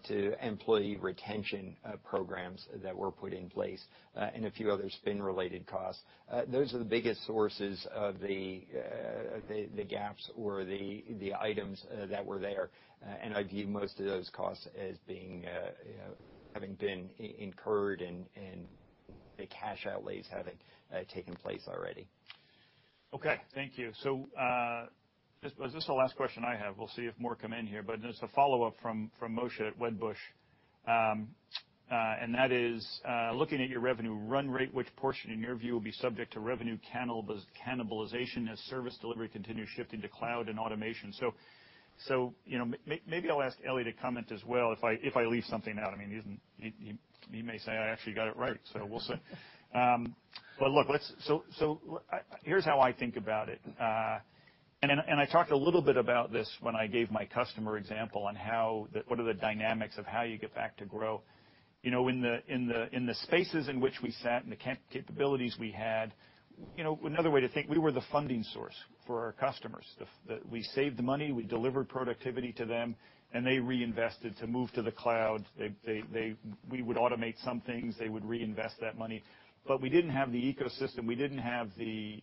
to employee retention programs that were put in place, and a few other spin-related costs. Those are the biggest sources of the gaps or the items that were there. I view most of those costs as having been incurred and the cash outlays having taken place already. Okay, thank you. This is the last question I have. We'll see if more come in here, but there's a follow-up from Moshe Katri at Wedbush. That is, "Looking at your revenue run rate, which portion in your view, will be subject to revenue cannibalization as service delivery continues shifting to cloud and automation?" Maybe I'll ask Elly to comment as well, if I leave something out. He may say I actually got it right, so we'll see. Look, here's how I think about it. I talked a little bit about this when I gave my customer example on what are the dynamics of how you get back to grow. In the spaces in which we sat and the capabilities we had, another way to think, we were the funding source for our customers. We saved money, we delivered productivity to them, and they reinvested to move to the cloud. We would automate some things; they would reinvest that money. We didn't have the ecosystem, we didn't have the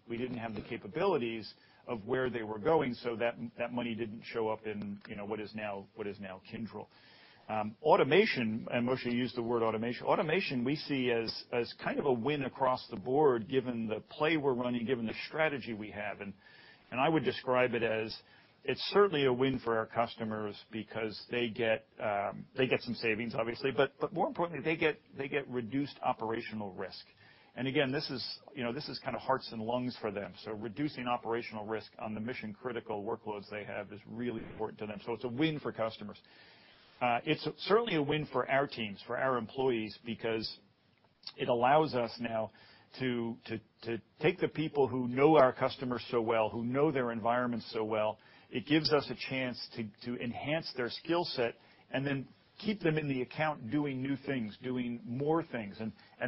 capabilities of where they were going, so that money didn't show up in what is now Kyndryl. Automation, and Moshe used the word automation. Automation, we see as kind of a win across the board, given the play we're running, given the strategy we have, and I would describe it as, it's certainly a win for our customers because they get some savings, obviously. More importantly, they get reduced operational risk. Again, this is kind of hearts and lungs for them. Reducing operational risk on the mission-critical workloads they have is really important to them. It's a win for customers. It's certainly a win for our teams, for our employees, because it allows us now to take the people who know our customers so well, who know their environment so well. It gives us a chance to enhance their skillset and then keep them in the account, doing new things, doing more things.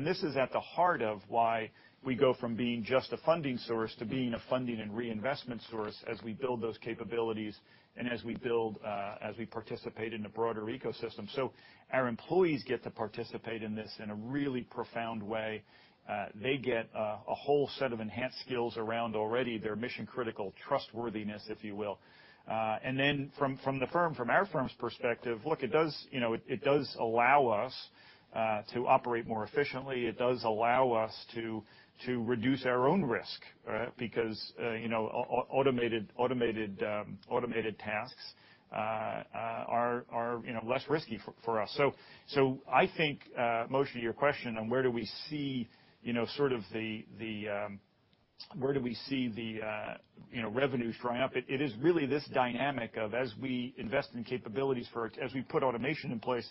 This is at the heart of why we go from being just a funding source to being a funding and reinvestment source as we build those capabilities and as we participate in the broader ecosystem. Our employees get to participate in this in a really profound way. They get a whole set of enhanced skills around already their mission-critical trustworthiness, if you will. From our firm's perspective, look, it does allow us to operate more efficiently. It does allow us to reduce our own risk. Automated tasks are less risky for us. I think, Moshe, to your question on where do we see the revenues drying up? It is really this dynamic of as we invest in capabilities, as we put automation in place,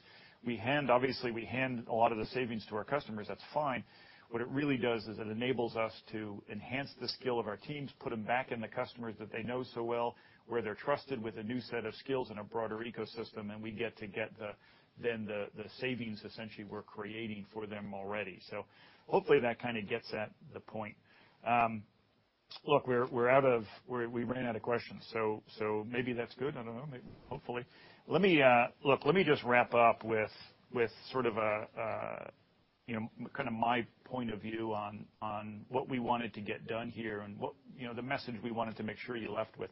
obviously, we hand a lot of the savings to our customers. That's fine. What it really does is it enables us to enhance the skill of our teams, put them back in the customers that they know so well, where they're trusted with a new set of skills and a broader ecosystem. And we get to get then the savings essentially; we're creating for them already. Hopefully that kind of gets at the point. Look, we ran out of questions, so maybe that's good. I don't know. Hopefully. Look, let me just wrap up with sort of my point of view on what we wanted to get done here and the message we wanted to make sure you left with.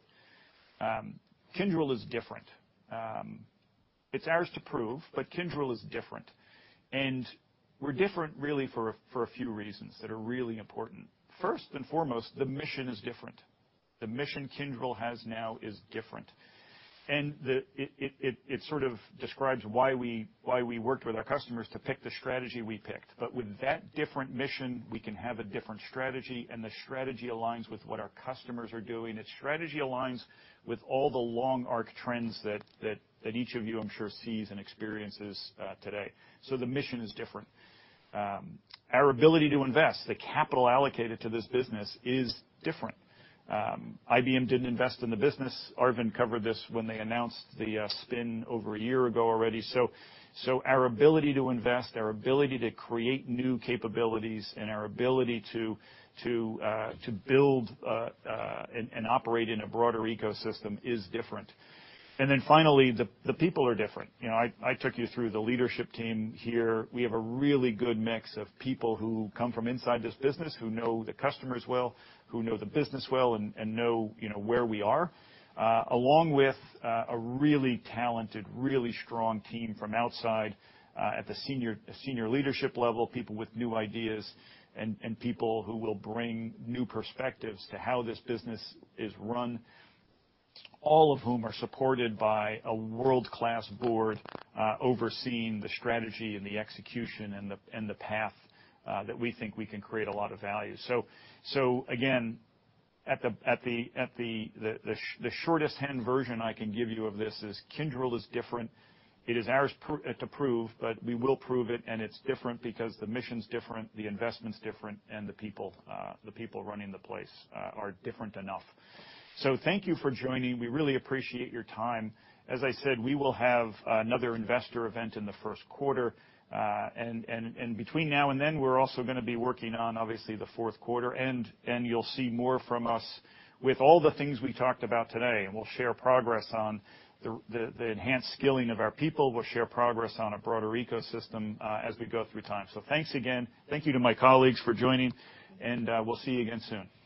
Kyndryl is different. It's ours to prove, but Kyndryl is different. We're different really for a few reasons that are really important. First and foremost, the mission is different. The mission Kyndryl has now is different, and it sort of describes why we worked with our customers to pick the strategy we picked. With that different mission, we can have a different strategy, and the strategy aligns with what our customers are doing. The strategy aligns with all the long arc trends that each of you, I'm sure, sees and experiences today. The mission is different. Our ability to invest, the capital allocated to this business is different. IBM didn't invest in the business. Arvind covered this when they announced the spin over a year ago already. Our ability to invest, our ability to create new capabilities, and our ability to build and operate in a broader ecosystem is different. Finally, the people are different. I took you through the leadership team here. We have a really good mix of people who come from inside this business, who know the customers well, who know the business well, and know where we are, along with a really talented, really strong team from outside at the senior leadership level, people with new ideas and people who will bring new perspectives to how this business is run. All of whom are supported by a world-class board, overseeing the strategy and the execution and the path that we think we can create a lot of value. Again, at the shortest hand version I can give you of this is Kyndryl is different. It is ours to prove, but we will prove it. It's different because the mission's different, the investment's different, and the people running the place are different enough. Thank you for joining. We really appreciate your time. As I said, we will have another investor event in the first quarter. Between now and then, we're also going to be working on, obviously, the fourth quarter, and you'll see more from us with all the things we talked about today, and we'll share progress on the enhanced skilling of our people. We'll share progress on a broader ecosystem as we go through time. Thanks again. Thank you to my colleagues for joining. We'll see you again soon.